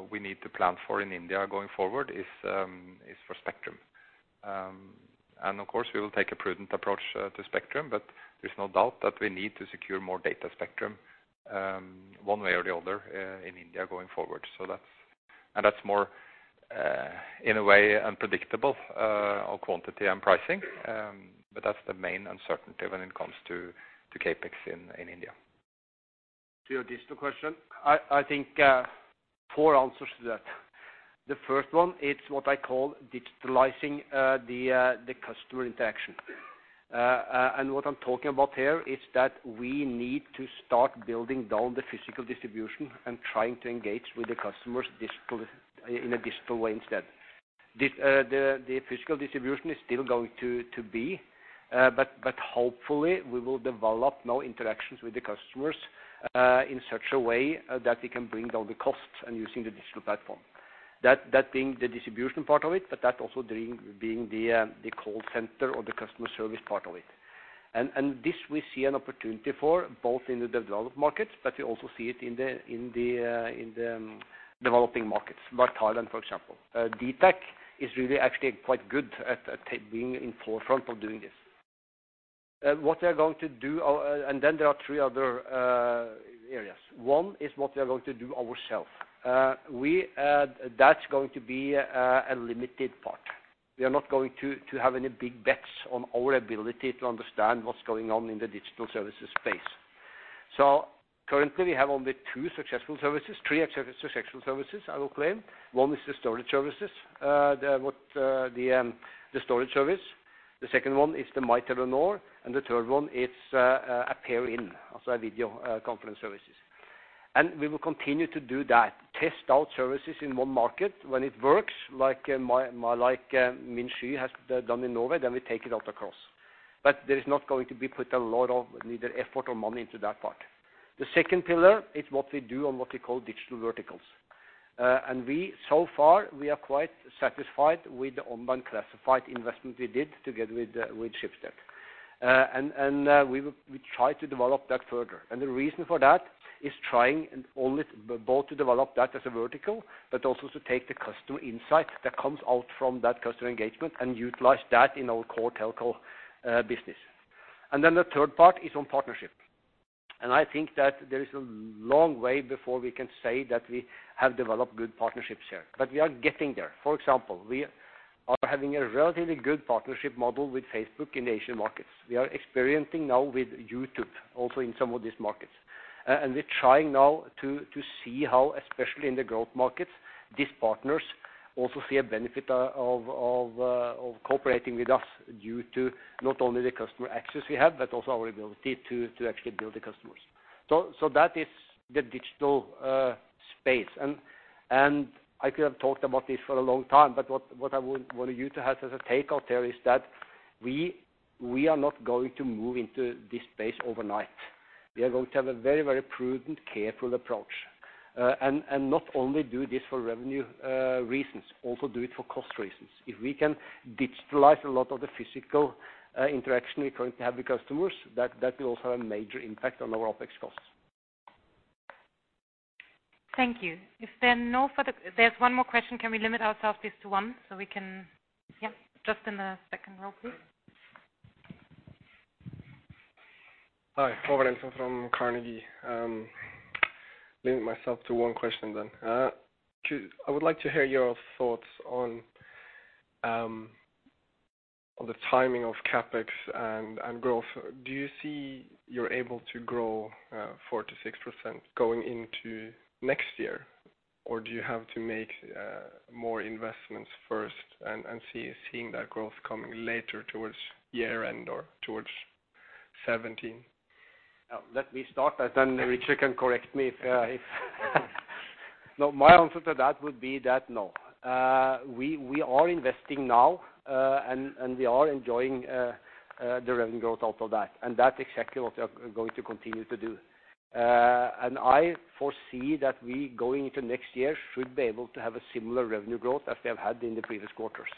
we need to plan for in India going forward is for spectrum. And of course, we will take a prudent approach to spectrum, but there's no doubt that we need to secure more data spectrum one way or the other in India going forward. So that's - and that's more in a way, unpredictable on quantity and pricing, but that's the main uncertainty when it comes to CapEx in India. To your digital question, I think four answers to that. The first one, it's what I call digitalizing the customer interaction. And what I'm talking about here is that we need to start building down the physical distribution and trying to engage with the customers digitally in a digital way instead. The physical distribution is still going to be, but hopefully we will develop new interactions with the customers in such a way that we can bring down the costs and using the digital platform. That being the distribution part of it, but that also being the call center or the customer service part of it. This we see an opportunity for both in the developed markets, but we also see it in the developing markets, like Thailand, for example. dtac is really actually quite good at being in forefront of doing this. What we are going to do. And then there are three other areas. One is what we are going to do ourself. We, that's going to be a limited part. We are not going to have any big bets on our ability to understand what's going on in the digital services space. So currently, we have only two successful services, three successful services, I will claim. One is the storage services, the storage service. The second one is the My Telenor, and the third one is appear.in, also a video conference services. And we will continue to do that, test out services in one market. When it works, like my Min Sky has done in Norway, then we take it out across. But there is not going to be put a lot of neither effort or money into that part. The second pillar is what we do on what we call digital verticals. And we, so far, we are quite satisfied with the online classified investment we did together with Schibsted. And we try to develop that further. And the reason for that is trying and only both to develop that as a vertical, but also to take the customer insight that comes out from that customer engagement and utilize that in our core telco business. And then the third part is on partnership, and I think that there is a long way before we can say that we have developed good partnerships here, but we are getting there. For example, we are having a relatively good partnership model with Facebook in Asian markets. We are experiencing now with YouTube, also in some of these markets. And we're trying now to see how, especially in the growth markets, these partners also see a benefit of cooperating with us due to not only the customer access we have, but also our ability to actually build the customers. So, so that is the digital space. And, and I could have talked about this for a long time, but what, what I would want you to have as a takeout there is that we, we are not going to move into this space overnight. We are going to have a very, very prudent, careful approach, and, and not only do this for revenue reasons, also do it for cost reasons. If we can digitalize a lot of the physical interaction we're going to have with customers, that, that will also have a major impact on our OpEx costs. Thank you. If there are no further-- There's one more question, can we limit ourselves, please, to one so we can... Yeah, just in the second row, please. Hi, Robert Nelson from Carnegie. limit myself to one question then. two, I would like to hear your thoughts on, on the timing of CapEx and, and growth. Do you see you're able to grow, four to six percent going into next year? Or do you have to make, more investments first and, and seeing that growth coming later towards year end or towards 2017? Now, let me start, and then Richard can correct me if... No, my answer to that would be that, no. We are investing now, and we are enjoying the revenue growth out of that, and that's exactly what we are going to continue to do. And I foresee that we, going into next year, should be able to have a similar revenue growth as we have had in the previous quarters,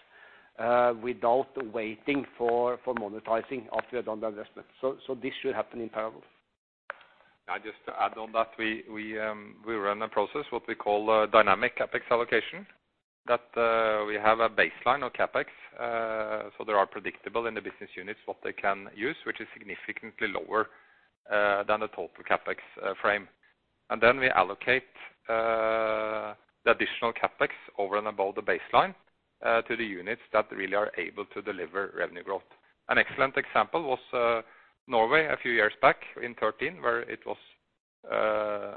without waiting for monetizing after we have done the investment. So, this should happen in parallel. I just to add on that, we run a process, what we call a dynamic CapEx allocation, that we have a baseline of CapEx. So there are predictable in the business units, what they can use, which is significantly lower than the total CapEx frame. And then we allocate the additional CapEx over and above the baseline to the units that really are able to deliver revenue growth. An excellent example was Norway a few years back in 2013, where it was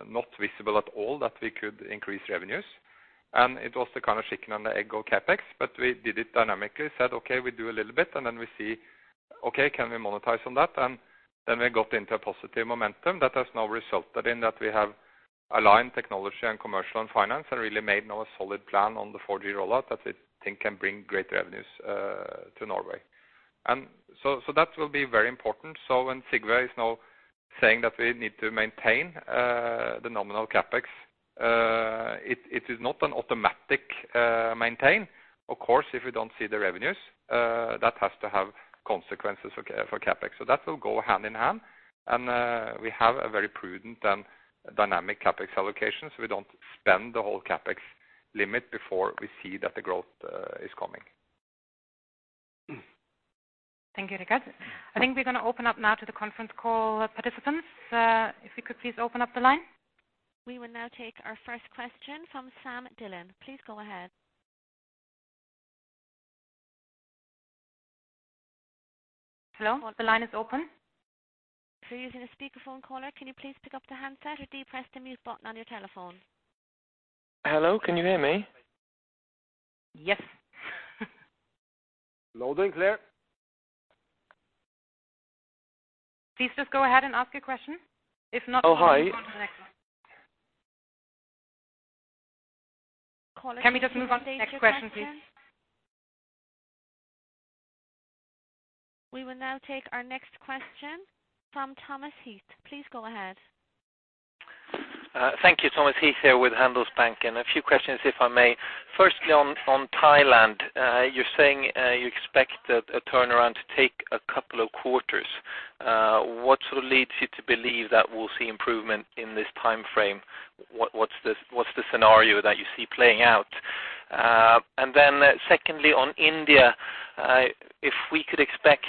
not visible at all that we could increase revenues, and it was the kind of chicken and the egg of CapEx, but we did it dynamically, said: Okay, we do a little bit, and then we see, okay, can we monetize on that? And then we got into a positive momentum that has now resulted in that we have aligned technology and commercial and finance and really made now a solid plan on the 4G rollout that we think can bring great revenues to Norway. And so that will be very important. So when Sigve is now saying that we need to maintain the nominal CapEx, it is not an automatic maintain. Of course, if you don't see the revenues, that has to have consequences for CapEx. So that will go hand in hand, and we have a very prudent and dynamic CapEx allocation, so we don't spend the whole CapEx limit before we see that the growth is coming. Thank you, Richard. I think we're gonna open up now to the conference call participants. If we could please open up the line. We will now take our first question from San Dhillon. Please go ahead. Hello, the line is open. If you're using a speakerphone, caller, can you please pick up the handset or depress the mute button on your telephone? Hello, can you hear me? Yes. Loud and clear. Please just go ahead and ask your question. If not- Oh, hi. We'll move on to the next one. Can we just move on to the next question, please? We will now take our next question from Thomas Heath. Please go ahead. Thank you. Thomas Heath here with Handelsbanken. A few questions, if I may. Firstly, on Thailand, you're saying you expect a turnaround to take a couple of quarters. What sort of leads you to believe that we'll see improvement in this time frame? What's the scenario that you see playing out? And then secondly, on India, if we could expect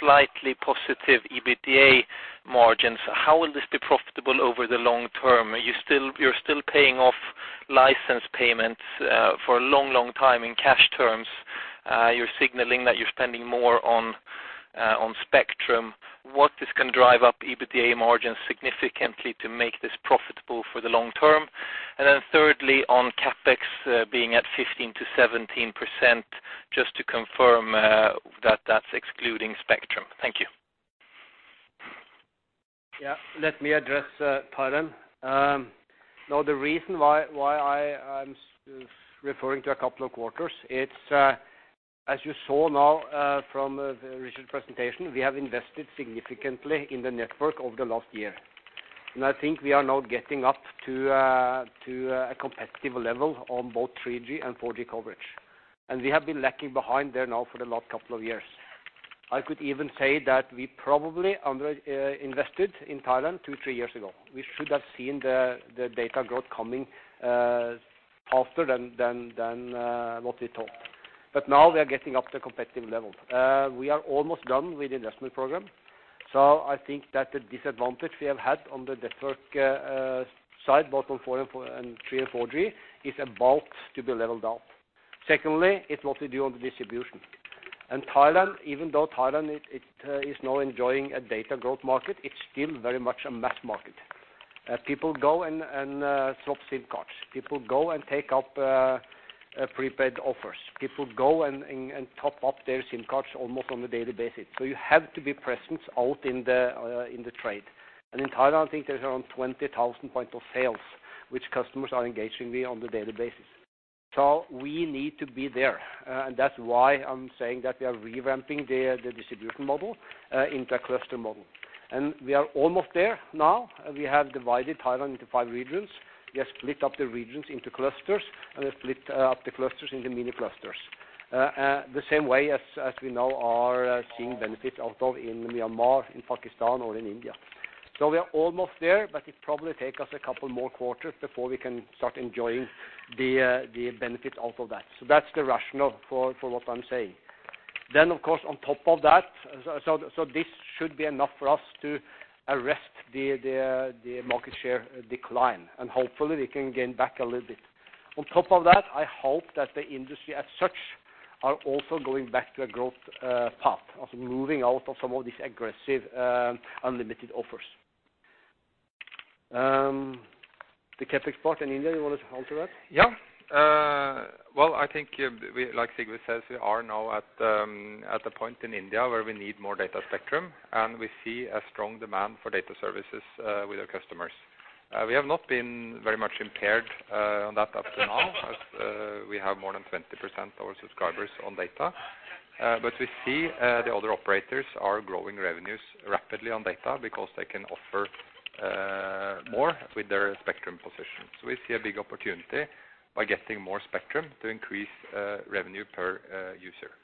slightly positive EBITDA margins, how will this be profitable over the long term? Are you still—You're still paying off license payments for a long, long time in cash terms. You're signaling that you're spending more on spectrum. What is gonna drive up EBITDA margins significantly to make this profitable for the long term?...And then thirdly, on CapEx being at 15%-17%, just to confirm, that that's excluding spectrum. Thank you. Yeah, let me address Thailand. No, the reason why I am referring to a couple of quarters, it's as you saw now from Richard's presentation, we have invested significantly in the network over the last year. And I think we are now getting up to a competitive level on both 3G and 4G coverage. And we have been lacking behind there now for the last couple of years. I could even say that we probably underinvested in Thailand 2-3 years ago. We should have seen the data growth coming faster than what we thought. But now we are getting up to competitive level. We are almost done with the investment program, so I think that the disadvantage we have had on the network side, both on 4G and 3G and 4G, is about to be leveled out. Secondly, it's a lot to do on the distribution. And Thailand, even though it is now enjoying a data growth market, it's still very much a mass market. People go and swap SIM cards. People go and take up prepaid offers. People go and top up their SIM cards almost on a daily basis, so you have to be present out in the trade. And in Thailand, I think there's around 20,000 points of sales, which customers are engaging with on the daily basis. So we need to be there, and that's why I'm saying that we are revamping the distribution model into a cluster model. And we are almost there now. We have divided Thailand into five regions. We have split up the regions into clusters, and we split up the clusters into mini clusters. The same way as we now are seeing benefits out of in Myanmar, in Pakistan, or in India. So we are almost there, but it probably take us a couple more quarters before we can start enjoying the benefits out of that. So that's the rationale for what I'm saying. Then, of course, on top of that, this should be enough for us to arrest the market share decline, and hopefully we can gain back a little bit. On top of that, I hope that the industry as such are also going back to a growth path, also moving out of some of these aggressive unlimited offers. The CapEx part in India, you want to answer that? Yeah. Well, I think, like Sigve says, we are now at the point in India where we need more data spectrum, and we see a strong demand for data services with our customers. We have not been very much impaired on that up to now, we have more than 20% of our subscribers on data. But we see the other operators are growing revenues rapidly on data because they can offer more with their spectrum position. So we see a big opportunity by getting more spectrum to increase revenue per user.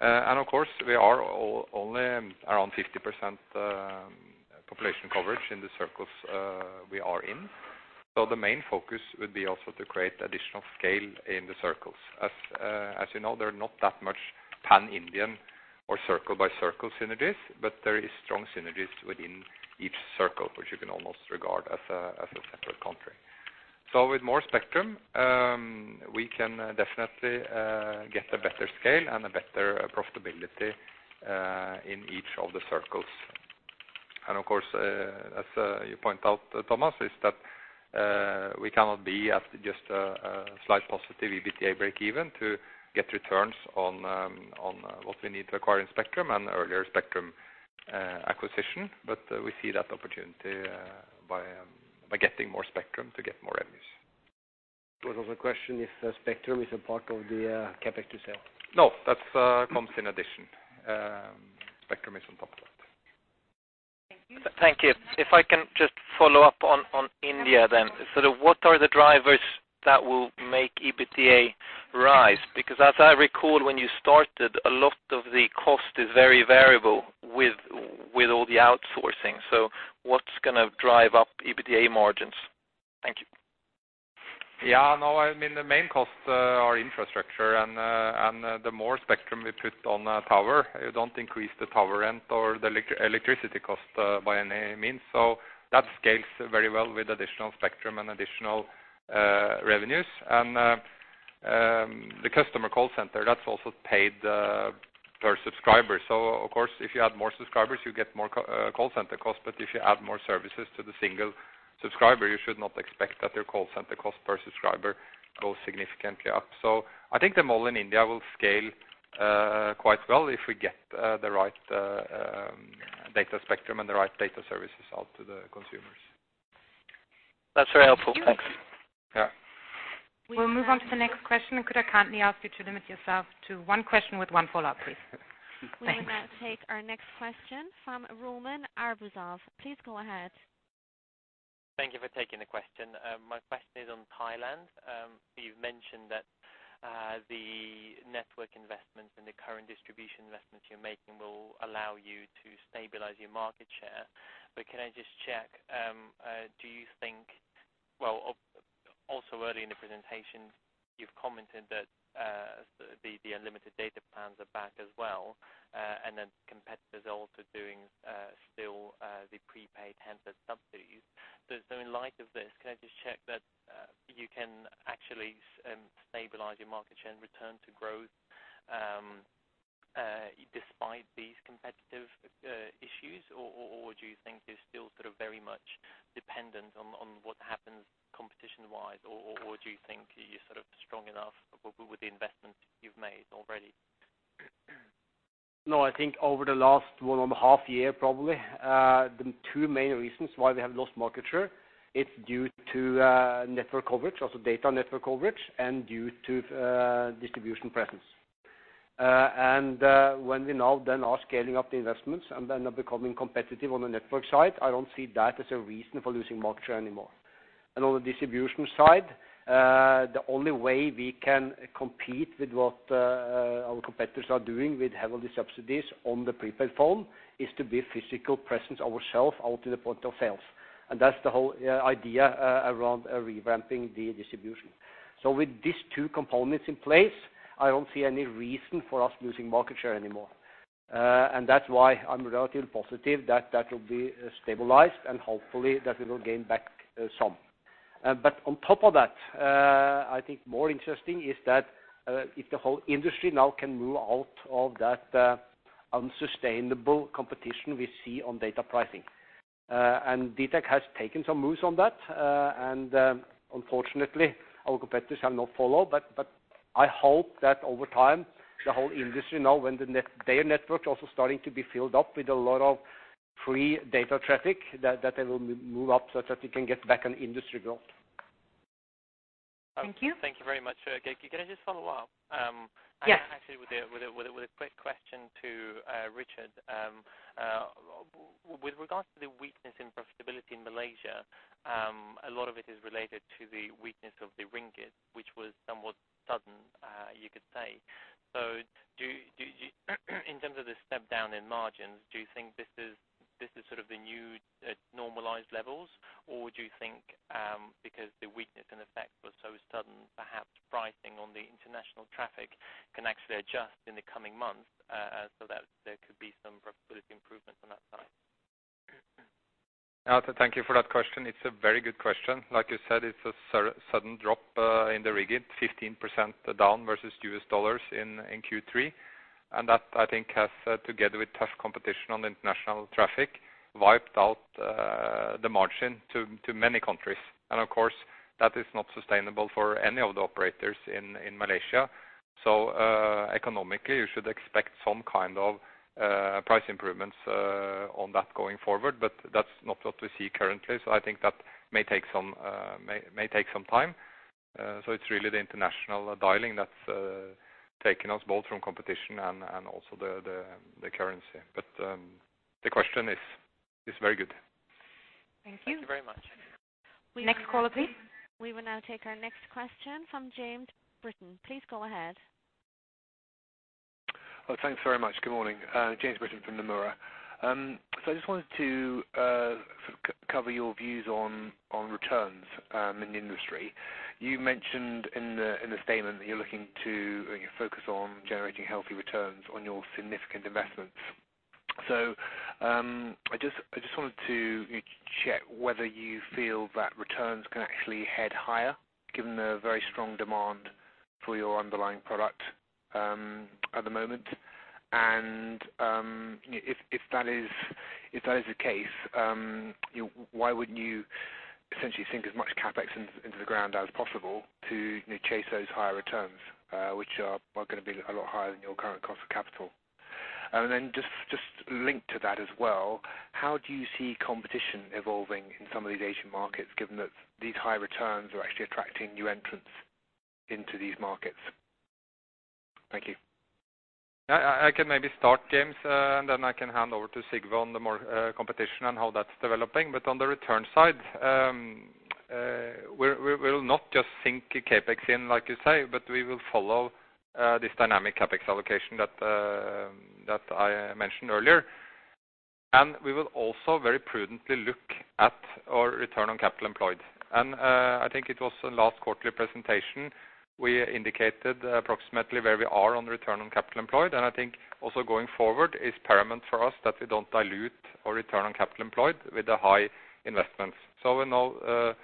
And of course, we are only around 50% population coverage in the circles we are in. So the main focus would be also to create additional scale in the circles. As you know, there are not that much pan-Indian or circle-by-circle synergies, but there is strong synergies within each circle, which you can almost regard as a separate country. So with more spectrum, we can definitely get a better scale and a better profitability in each of the circles. And of course, as you point out, Thomas, is that we cannot be at just a slight positive EBITDA breakeven to get returns on what we need to acquire in spectrum and earlier spectrum acquisition. But we see that opportunity by getting more spectrum to get more revenues. There was also a question if the spectrum is a part of the CapEx yourself? No, that's comes in addition. Spectrum is on top of that. Thank you. If I can just follow up on India then. So what are the drivers that will make EBITDA rise? Because as I recall, when you started, a lot of the cost is very variable with all the outsourcing. So what's gonna drive up EBITDA margins? Thank you. Yeah, no, I mean, the main costs are infrastructure, and the more spectrum we put on a tower, you don't increase the tower rent or the electricity cost by any means. So that scales very well with additional spectrum and additional revenues. And the customer call center, that's also paid per subscriber. So of course, if you add more subscribers, you get more call center costs, but if you add more services to the single subscriber, you should not expect that your call center cost per subscriber goes significantly up. So I think the model in India will scale quite well if we get the right data spectrum and the right data services out to the consumers. That's very helpful. Thanks. Yeah. We'll move on to the next question, and could I kindly ask you to limit yourself to one question with one follow-up, please? Thank you. We will now take our next question from Roman Arbuzov. Please go ahead. Thank you for taking the question. My question is on Thailand. You've mentioned that, the network investments and the current distribution investments you're making will allow you to stabilize your market share. But can I just check, do you think—Well, also early in the presentation, you've commented that, the, the unlimited data plans are back as well, and then competitors are also doing, still, the prepaid handset subsidies. So, so in light of this, can I just check that, you can actually, stabilize your market share and return to growth, despite these competitive, issues, or, do you think you're still sort of very much dependent on, on what happens competition-wise, or, do you think you're sort of strong enough with the investments you've made already? No, I think over the last well, half year probably, the two main reasons why we have lost market share, it's due to network coverage, also data network coverage, and due to distribution presence. And when we now then are scaling up the investments and then are becoming competitive on the network side, I don't see that as a reason for losing market share anymore. And on the distribution side, the only way we can compete with what our competitors are doing with heavily subsidies on the prepaid phone, is to be a physical presence ourselves out to the point of sales. And that's the whole idea around revamping the distribution. So with these two components in place, I don't see any reason for us losing market share anymore. And that's why I'm relatively positive that that will be stabilized, and hopefully that we will gain back some. But on top of that, I think more interesting is that if the whole industry now can move out of that unsustainable competition we see on data pricing. And dtac has taken some moves on that, and unfortunately, our competitors have not followed, but I hope that over time, the whole industry now, when their network also starting to be filled up with a lot of free data traffic, that they will move up such that we can get back on industry growth. Thank you. Thank you very much. Can I just follow up? Yes. Actually, with a quick question to Richard. With regards to the weakness in profitability in Malaysia, a lot of it is related to the weakness of the ringgit, which was somewhat sudden, you could say. So, do you, in terms of the step down in margins, do you think this is sort of the new normalized levels? Or do you think, because the weakness and effect was so sudden, perhaps pricing on the international traffic can actually adjust in the coming months, so that there could be some profitability improvement on that side? Thank you for that question. It's a very good question. Like you said, it's a sudden drop in the ringgit, 15% down versus US dollars in Q3. And that, I think, has, together with tough competition on international traffic, wiped out the margin to many countries. And of course, that is not sustainable for any of the operators in Malaysia. So, economically, you should expect some kind of price improvements on that going forward, but that's not what we see currently. So I think that may take some time. So it's really the international dialing that's taking us both from competition and also the currency. But the question is very good. Thank you. Thank you very much. Next caller, please. We will now take our next question from James Britton. Please go ahead. Well, thanks very much. Good morning, James Britton from Nomura. So I just wanted to sort of cover your views on returns in the industry. You mentioned in the statement that you're looking to, or you focus on generating healthy returns on your significant investments. So, I just wanted to check whether you feel that returns can actually head higher, given the very strong demand for your underlying product at the moment? And, if that is the case, why wouldn't you essentially sink as much CapEx into the ground as possible to chase those higher returns, which are going to be a lot higher than your current cost of capital? And then just, just linked to that as well, how do you see competition evolving in some of these Asian markets, given that these high returns are actually attracting new entrants into these markets? Thank you. I can maybe start, James, and then I can hand over to Sigve on the more, competition and how that's developing. But on the return side, we will not just sink CapEx in, like you say, but we will follow this dynamic CapEx allocation that that I mentioned earlier. And we will also very prudently look at our return on capital employed. And I think it was the last quarterly presentation, we indicated approximately where we are on return on capital employed. And I think also going forward, it's paramount for us that we don't dilute our return on capital employed with the high investments. So we now,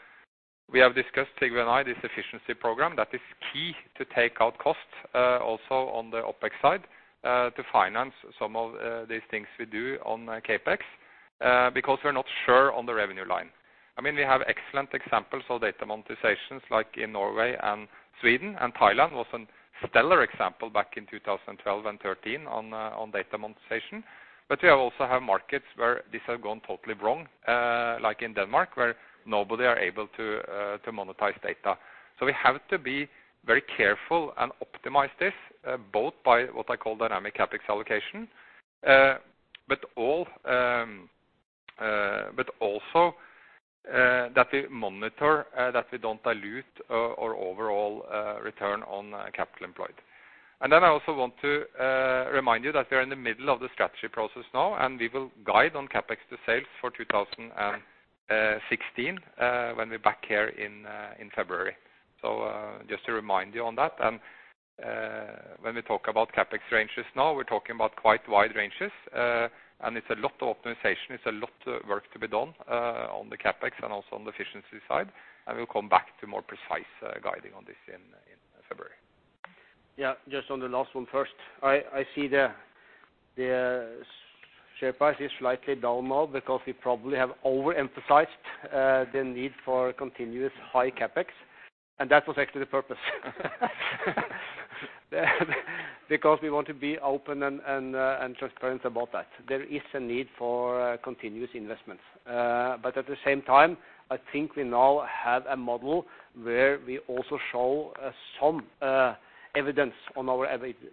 we have discussed, Sigve and I, this efficiency program that is key to take out costs, also on the OpEx side, to finance some of, these things we do on CapEx, because we're not sure on the revenue line. I mean, we have excellent examples of data monetizations like in Norway and Sweden, and Thailand was a stellar example back in 2012 and 2013 on, on data monetization. But we also have markets where these have gone totally wrong, like in Denmark, where nobody are able to, to monetize data. So we have to be very careful and optimize this, both by what I call dynamic CapEx allocation, but all, but also, that we monitor, that we don't dilute our, our overall, return on capital employed. Then I also want to remind you that we are in the middle of the strategy process now, and we will guide on CapEx to sales for 2016 when we're back here in February. So just to remind you on that. And when we talk about CapEx ranges now, we're talking about quite wide ranges, and it's a lot of optimization, it's a lot of work to be done on the CapEx and also on the efficiency side, and we'll come back to more precise guiding on this in February. Yeah, juston the last one first. I see the share price is slightly down now because we probably have overemphasized the need for continuous high CapEx, and that was actually the purpose. Because we want to be open and transparent about that. There is a need for continuous investments. But at the same time, I think we now have a model where we also show some evidence on our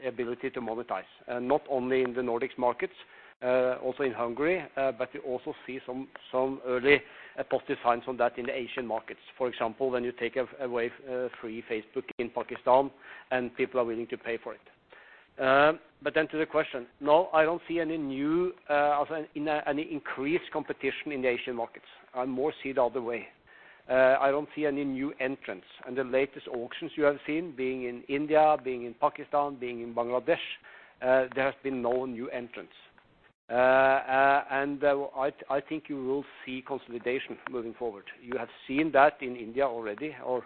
ability to monetize, not only in the Nordics markets, also in Hungary, but we also see some early positive signs on that in the Asian markets. For example, when you take away a free Facebook in Pakistan, and people are willing to pay for it. But then to the question: No, I don't see any new, also any increased competition in the Asian markets. I more see it the other way. I don't see any new entrants, and the latest auctions you have seen, being in India, being in Pakistan, being in Bangladesh, there has been no new entrants. And I think you will see consolidation moving forward. You have seen that in India already, or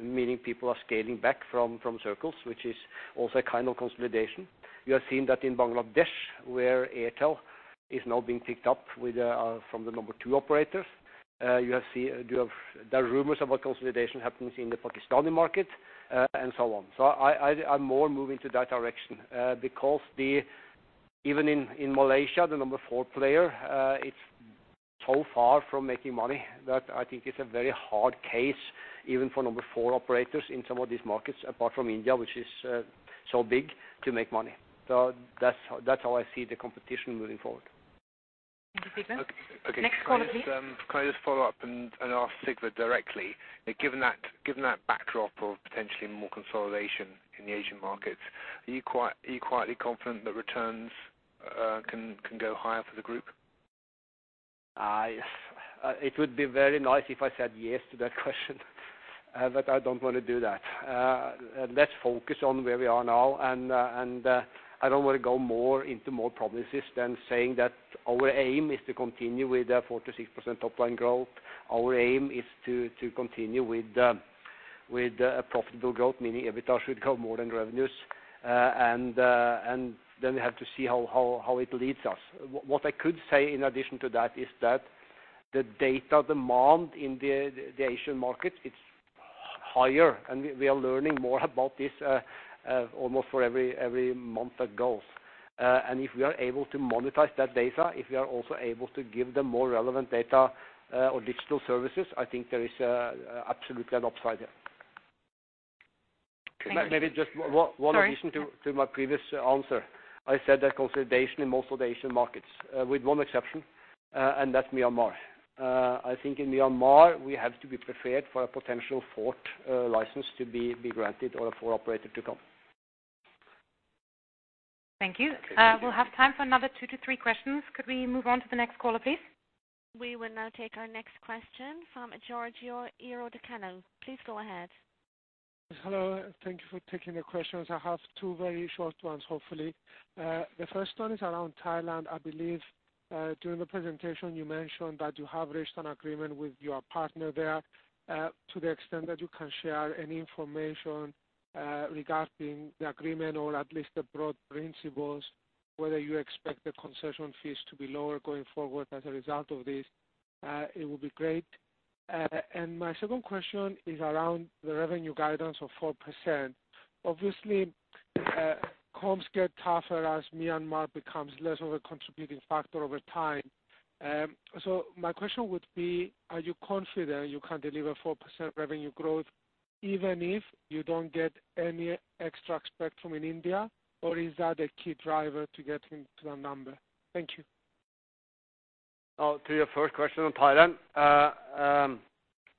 meaning people are scaling back from circles, which is also a kind of consolidation. You have seen that in Bangladesh, where Airtel is now being picked up with from the number two operators. There are rumors about consolidation happening in the Pakistani market, and so on. So I, I'm more moving to that direction, because the...Even in Malaysia, the number four player, it's so far from making money that I think it's a very hard case, even for number four operators in some of these markets, apart from India, which is so big, to make money. That's how I see the competition moving forward. Thank you, Sigve. Next caller, please. Okay, can I just follow up and ask Sigve directly? Given that backdrop of potentially more consolidation in the Asian markets, are you quietly confident that returns can go higher for the group? It would be very nice if I said yes to that question, but I don't want to do that. Let's focus on where we are now, and I don't want to go more into more promises than saying that our aim is to continue with the 4%-6% top line growth. Our aim is to continue with profitable growth, meaning EBITDA should grow more than revenues. And then we have to see how it leads us. What I could say in addition to that is that the data demand in the Asian markets, it's higher, and we are learning more about this almost for every month that goes. If we are able to monetize that data, if we are also able to give them more relevant data, or digital services, I think there is absolutely an upside there. Thank you. Maybe just one, one addition- Sorry. To my previous answer. I said that consolidation in most of the Asian markets, with one exception, and that's Myanmar. I think in Myanmar, we have to be prepared for a potential fourth license to be granted or a fourth operator to come. Thank you. We'll have time for another 2-3 questions. Could we move on to the next caller, please? We will now take our next question from Giorgio Ierodiaconou. Please go ahead. Hello, and thank you for taking the questions. I have two very short ones, hopefully. The first one is around Thailand. I believe, during the presentation, you mentioned that you have reached an agreement with your partner there. To the extent that you can share any information, regarding the agreement, or at least the broad principles, whether you expect the concession fees to be lower going forward as a result of this, it would be great. And my second question is around the revenue guidance of 4%. Obviously, comps get tougher as Myanmar becomes less of a contributing factor over time. So my question would be, are you confident you can deliver 4% revenue growth, even if you don't get any extra spectrum in India, or is that a key driver to getting to that number? Thank you. To your first question on Thailand,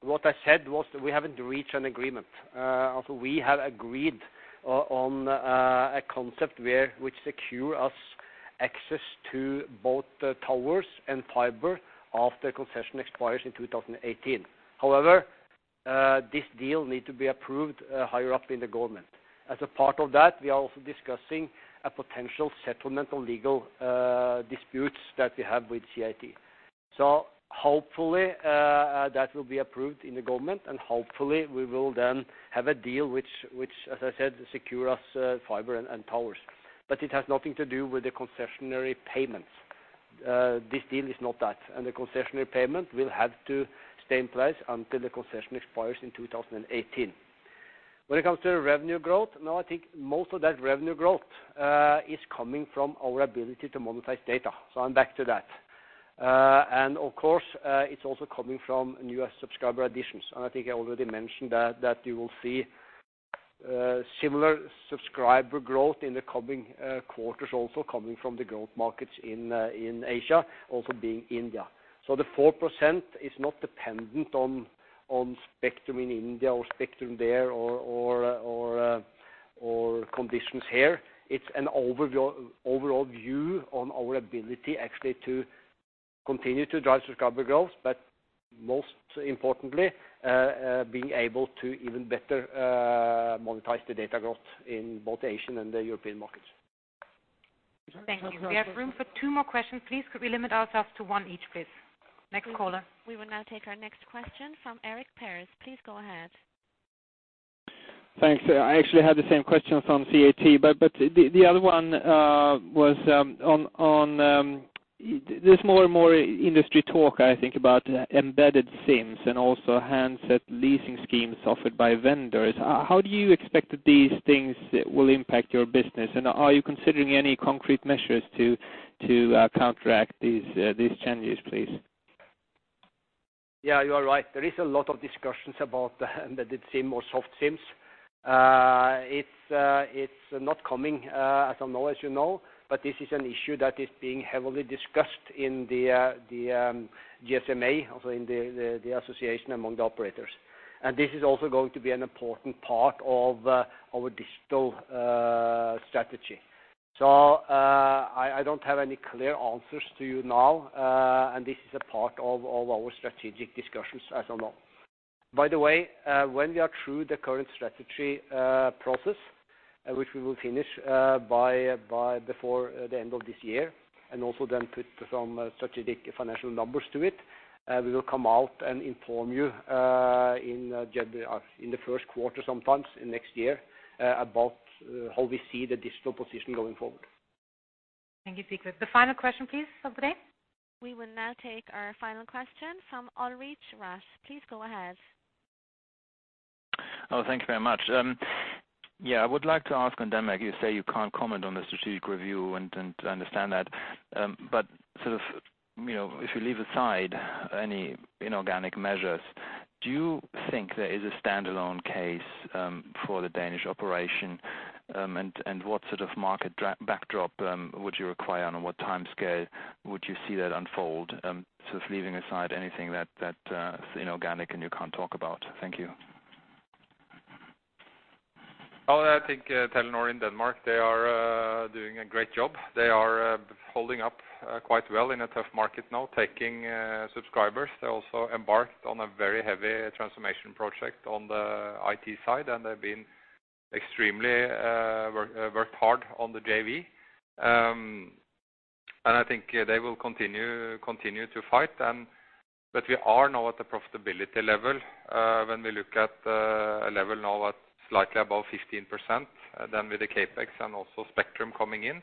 what I said was that we haven't reached an agreement. Also, we have agreed on a concept where which secure us access to both the towers and fiber after concession expires in 2018. However, this deal need to be approved higher up in the government. As a part of that, we are also discussing a potential settlement on legal disputes that we have with CAT. So hopefully, that will be approved in the government, and hopefully, we will then have a deal which, as I said, secure us fiber and towers. But it has nothing to do with the concessionary payments. This deal is not that, and the concessionary payment will have to stay in place until the concession expires in 2018.When it comes to revenue growth, now, I think most of that revenue growth is coming from our ability to monetize data, so I'm back to that. And of course, it's also coming from new subscriber additions, and I think I already mentioned that, that you will see similar subscriber growth in the coming quarters also coming from the growth markets in Asia, also being India. So the 4% is not dependent on spectrum in India or spectrum there or conditions here. It's an overall view on our ability actually to continue to drive subscriber growth, but most importantly, being able to even better monetize the data growth in both the Asian and the European markets. Thank you. We have room for two more questions. Please, could we limit ourselves to one each, please? Next caller. We will now take our next question from Eric Paris. Please go ahead. Thanks. I actually had the same question from CAT, but the other one was on there's more and more industry talk, I think, about embedded SIMs and also handset leasing schemes offered by vendors. How do you expect that these things will impact your business? And are you considering any concrete measures to counteract these changes, please? Yeah, you are right. There is a lot of discussions about the embedded SIM or soft SIMs. It's not coming, as of now, as you know, but this is an issue that is being heavily discussed in the GSMA, also in the association among the operators. And this is also going to be an important part of our digital strategy. So, I don't have any clear answers to you now, and this is a part of our strategic discussions, as I know. By the way, when we are through the current strategy process, which we will finish by before the end of this year, and also then put some strategic financial numbers to it, we will come out and inform you in the first quarter sometime in next year about how we see the digital position going forward. Thank you, Sigve. The final question, please, of the day. We will now take our final question from Ulrich Rathe. Please go ahead. Oh, thank you very much. Yeah, I would like to ask on Denmark, you say you can't comment on the strategic review, and I understand that. But sort of, you know, if you leave aside any inorganic measures, do you think there is a standalone case for the Danish operation? And what sort of market backdrop would you require, and on what time scale would you see that unfold? Sort of leaving aside anything that is inorganic, and you can't talk about. Thank you. Oh, I think, Telenor in Denmark, they are doing a great job. They are holding up quite well in a tough market now, taking subscribers. They also embarked on a very heavy transformation project on the IT side, and they've been extremely worked hard on the JV. And I think they will continue to fight and... But we are now at the profitability level, when we look at a level now at slightly above 15%, then with the CapEx and also spectrum coming in,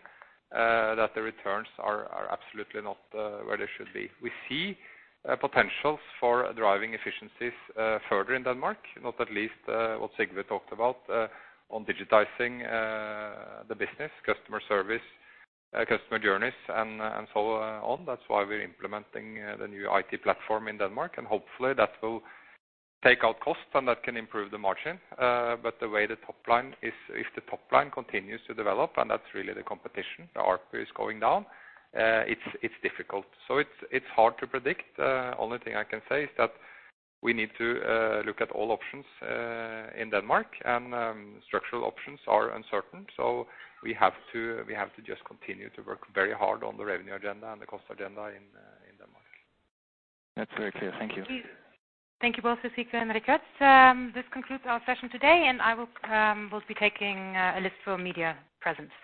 that the returns are absolutely not where they should be. We see potentials for driving efficiencies further in Denmark, not at least what Sigve talked about on digitizing the business, customer service, customer journeys, and so on. That's why we're implementing the new IT platform in Denmark, and hopefully that will take out costs, and that can improve the margin. But the way the top line is, if the top line continues to develop, and that's really the competition, the ARPU is going down, it's difficult. So it's hard to predict. Only thing I can say is that we need to look at all options in Denmark, and structural options are uncertain, so we have to just continue to work very hard on the revenue agenda and the cost agenda in Denmark. That's very clear. Thank you. Thank you. Thank you both to Sigve and Richard. This concludes our session today, and I will be taking a list for media presence.